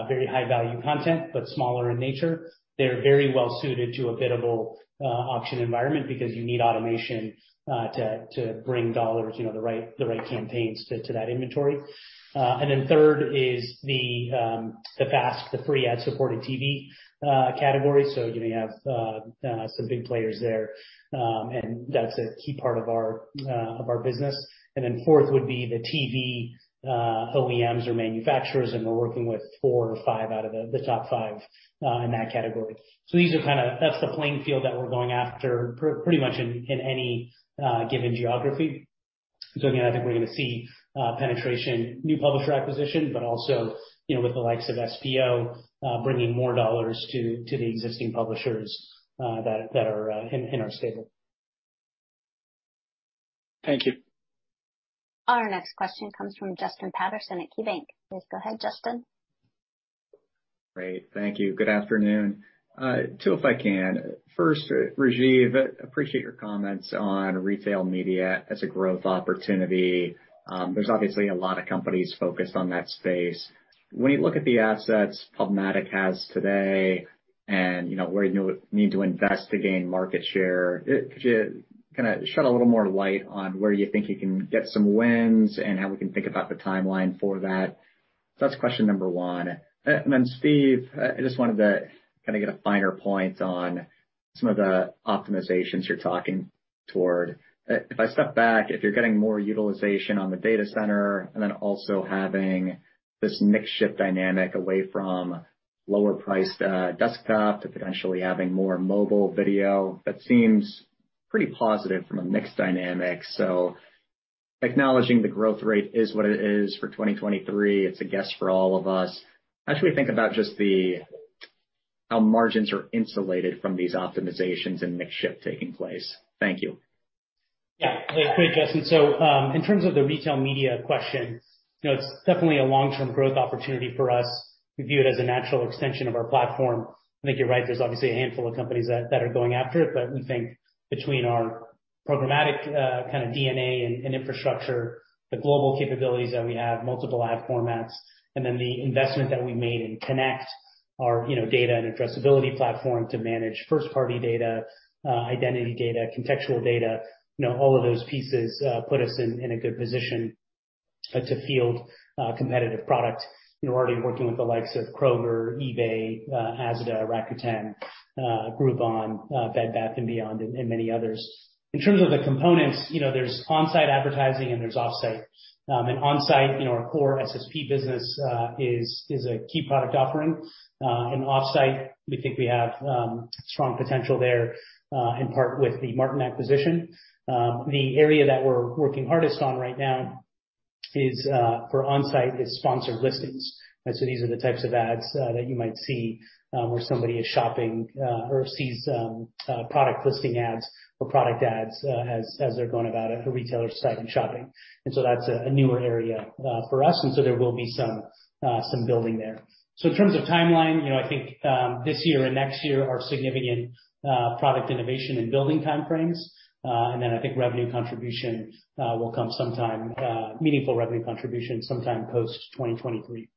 very high value content, but smaller in nature. They're very well suited to a biddable auction environment because you need automation to bring dollars, you know, the right campaigns to that inventory. Third is the FAST, the free ad-supported TV category. You may have some big players there. That's a key part of our business. Fourth would be the TV OEMs or manufacturers, and we're working with 4 or 5 out of the top 5 in that category. These are kinda, that's the playing field that we're going after pretty much in any given geography. Again, I think we're gonna see penetration, new publisher acquisition, but also, you know, with the likes of SPO bringing more dollars to the existing publishers that are in our stable. Thank you. Our next question comes from Justin Patterson at KeyBanc Capital Markets. Please go ahead, Justin. Great. Thank you. Good afternoon. Two, if I can. First, Rajeev, appreciate your comments on retail media as a growth opportunity. There's obviously a lot of companies focused on that space. When you look at the assets PubMatic has today and, you know, where you need to invest to gain market share, could you kinda shed a little more light on where you think you can get some wins and how we can think about the timeline for that? So that's question number one. And then Steve, I just wanted to kinda get a finer point on some of the optimizations you're talking toward. If I step back, if you're getting more utilization on the data center and then also having this mix shift dynamic away from lower priced desktop to potentially having more mobile video, that seems pretty positive from a mix dynamic. Acknowledging the growth rate is what it is for 2023, it's a guess for all of us. How should we think about just the how margins are insulated from these optimizations and mix shift taking place? Thank you. Yeah. Great, Justin. In terms of the retail media question, you know, it's definitely a long-term growth opportunity for us. We view it as a natural extension of our platform. I think you're right, there's obviously a handful of companies that are going after it, but we think between our programmatic kind of DNA and infrastructure, the global capabilities that we have, multiple ad formats, and then the investment that we made in Connect, our you know, data and addressability platform to manage first-party data, identity data, contextual data. You know, all of those pieces put us in a good position to field a competitive product. We're already working with the likes of Kroger, eBay, Asda, Rakuten, Groupon, Bed Bath & Beyond, and many others. In terms of the components, you know, there's on-site advertising and there's off-site. On-site, you know, our core SSP business is a key product offering. Off-site, we think we have strong potential there, in part with the Martin acquisition. The area that we're working hardest on right now is for on-site sponsored listings. These are the types of ads that you might see where somebody is shopping or sees product listing ads or product ads as they're going about a retailer site and shopping. That's a newer area for us, and there will be some building there. In terms of timeline, you know, I think this year and next year are significant product innovation and building time frames. I think meaningful revenue contribution will come sometime post-2023.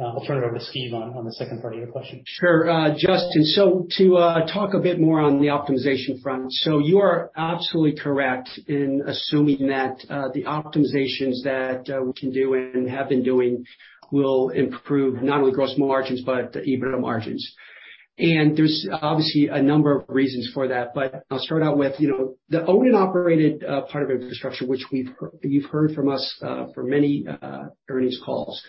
I'll turn it over to Steve on the second part of your question. Sure. Justin, to talk a bit more on the optimization front. You are absolutely correct in assuming that the optimizations that we can do and have been doing will improve not only gross margins, but EBITDA margins. There's obviously a number of reasons for that. I'll start out with, you know, the owned and operated part of infrastructure, which you've heard from us for many earnings calls,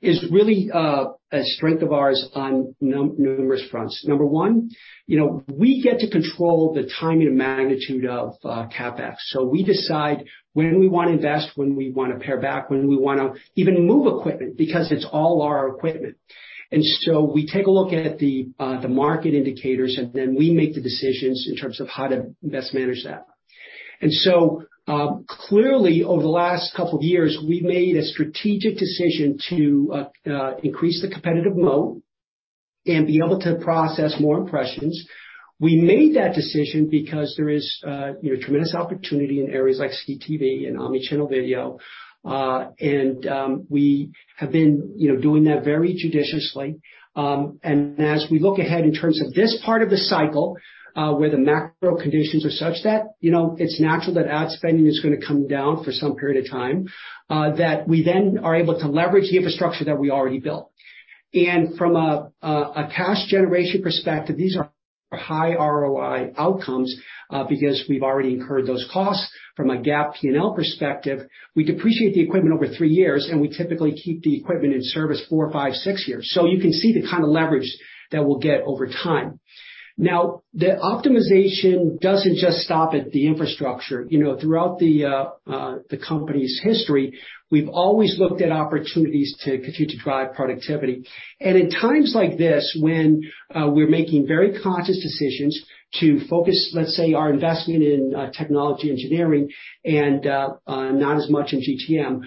is really a strength of ours on numerous fronts. Number one, you know, we get to control the timing and magnitude of CapEx. We decide when we wanna invest, when we wanna pare back, when we wanna even move equipment because it's all our equipment. We take a look at the market indicators, and then we make the decisions in terms of how to best manage that. Clearly over the last couple of years, we made a strategic decision to increase the competitive moat and be able to process more impressions. We made that decision because there is, you know, tremendous opportunity in areas like CTV and omnichannel video. We have been, you know, doing that very judiciously. As we look ahead in terms of this part of the cycle, where the macro conditions are such that, you know, it's natural that ad spending is gonna come down for some period of time, that we then are able to leverage the infrastructure that we already built. From a cash generation perspective, these are high ROI outcomes, because we've already incurred those costs. From a GAAP P&L perspective, we depreciate the equipment over 3 years, and we typically keep the equipment in service 4, 5, 6 years. You can see the kind of leverage that we'll get over time. Now, the optimization doesn't just stop at the infrastructure. Throughout the company's history, we've always looked at opportunities to continue to drive productivity. In times like this, when we're making very conscious decisions to focus, let's say, our investment in technology engineering and not as much in GTM,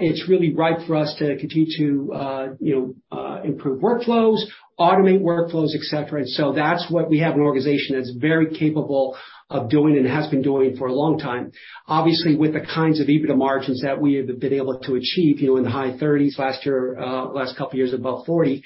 it's really ripe for us to continue to improve workflows, automate workflows, et cetera. That's what we have an organization that's very capable of doing and has been doing for a long time. Obviously, with the kinds of EBITDA margins that we have been able to achieve, you know, in the high 30s% last year, last couple of years above 40%,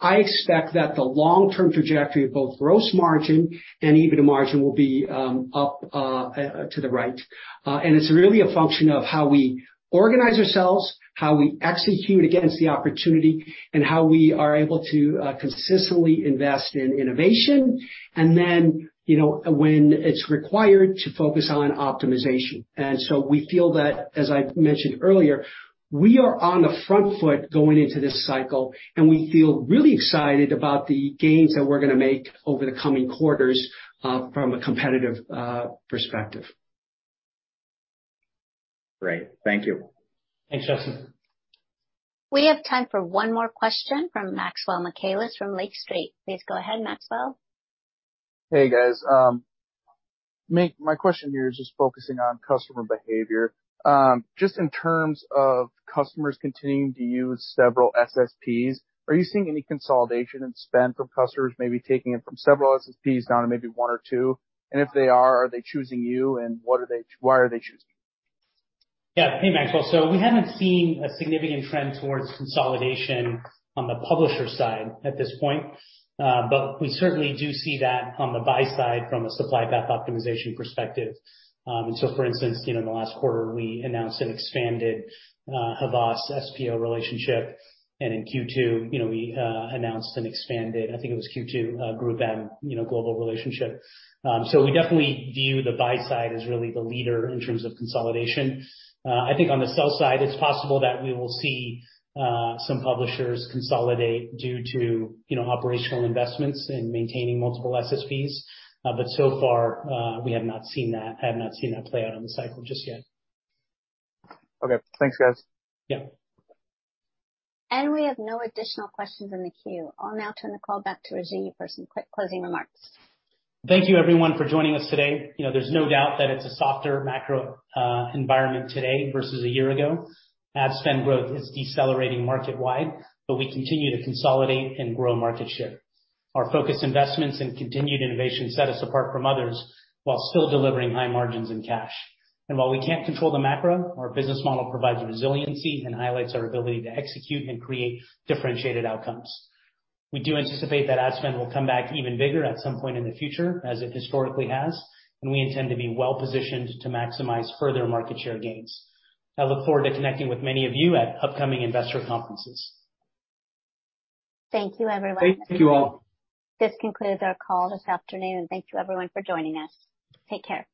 I expect that the long-term trajectory of both gross margin and EBITDA margin will be up to the right. It's really a function of how we organize ourselves, how we execute against the opportunity, and how we are able to consistently invest in innovation and then, you know, when it's required to focus on optimization. We feel that, as I mentioned earlier, we are on the front foot going into this cycle, and we feel really excited about the gains that we're gonna make over the coming quarters, from a competitive perspective. Great. Thank you. Thanks, Justin. We have time for one more question from Maxwell Michaelis from Lake Street. Please go ahead, Maxwell. Hey, guys. My question here is just focusing on customer behavior. Just in terms of customers continuing to use several SSPs, are you seeing any consolidation in spend from customers maybe taking it from several SSPs down to maybe one or two? If they are they choosing you, and why are they choosing you? Yeah. Hey, Maxwell. We haven't seen a significant trend towards consolidation on the publisher side at this point. We certainly do see that on the buy side from a supply path optimization perspective. For instance, you know, in the last quarter, we announced an expanded Havas SPO relationship, and in Q2, you know, we announced an expanded. I think it was Q2, GroupM, you know, global relationship. We definitely view the buy side as really the leader in terms of consolidation. I think on the sell side, it's possible that we will see some publishers consolidate due to, you know, operational investments in maintaining multiple SSPs. So far, we have not seen that. I have not seen that play out in the cycle just yet. Okay. Thanks, guys. Yeah. We have no additional questions in the queue. I'll now turn the call back to Rajeev for some quick closing remarks. Thank you everyone for joining us today. You know, there's no doubt that it's a softer macro environment today versus a year ago. Ad spend growth is decelerating market wide, but we continue to consolidate and grow market share. Our focus, investments and continued innovation set us apart from others while still delivering high margins and cash. While we can't control the macro, our business model provides resiliency and highlights our ability to execute and create differentiated outcomes. We do anticipate that ad spend will come back even bigger at some point in the future, as it historically has, and we intend to be well-positioned to maximize further market share gains. I look forward to connecting with many of you at upcoming investor conferences. Thank you everyone. Thank you all. This concludes our call this afternoon. Thank you everyone for joining us. Take care.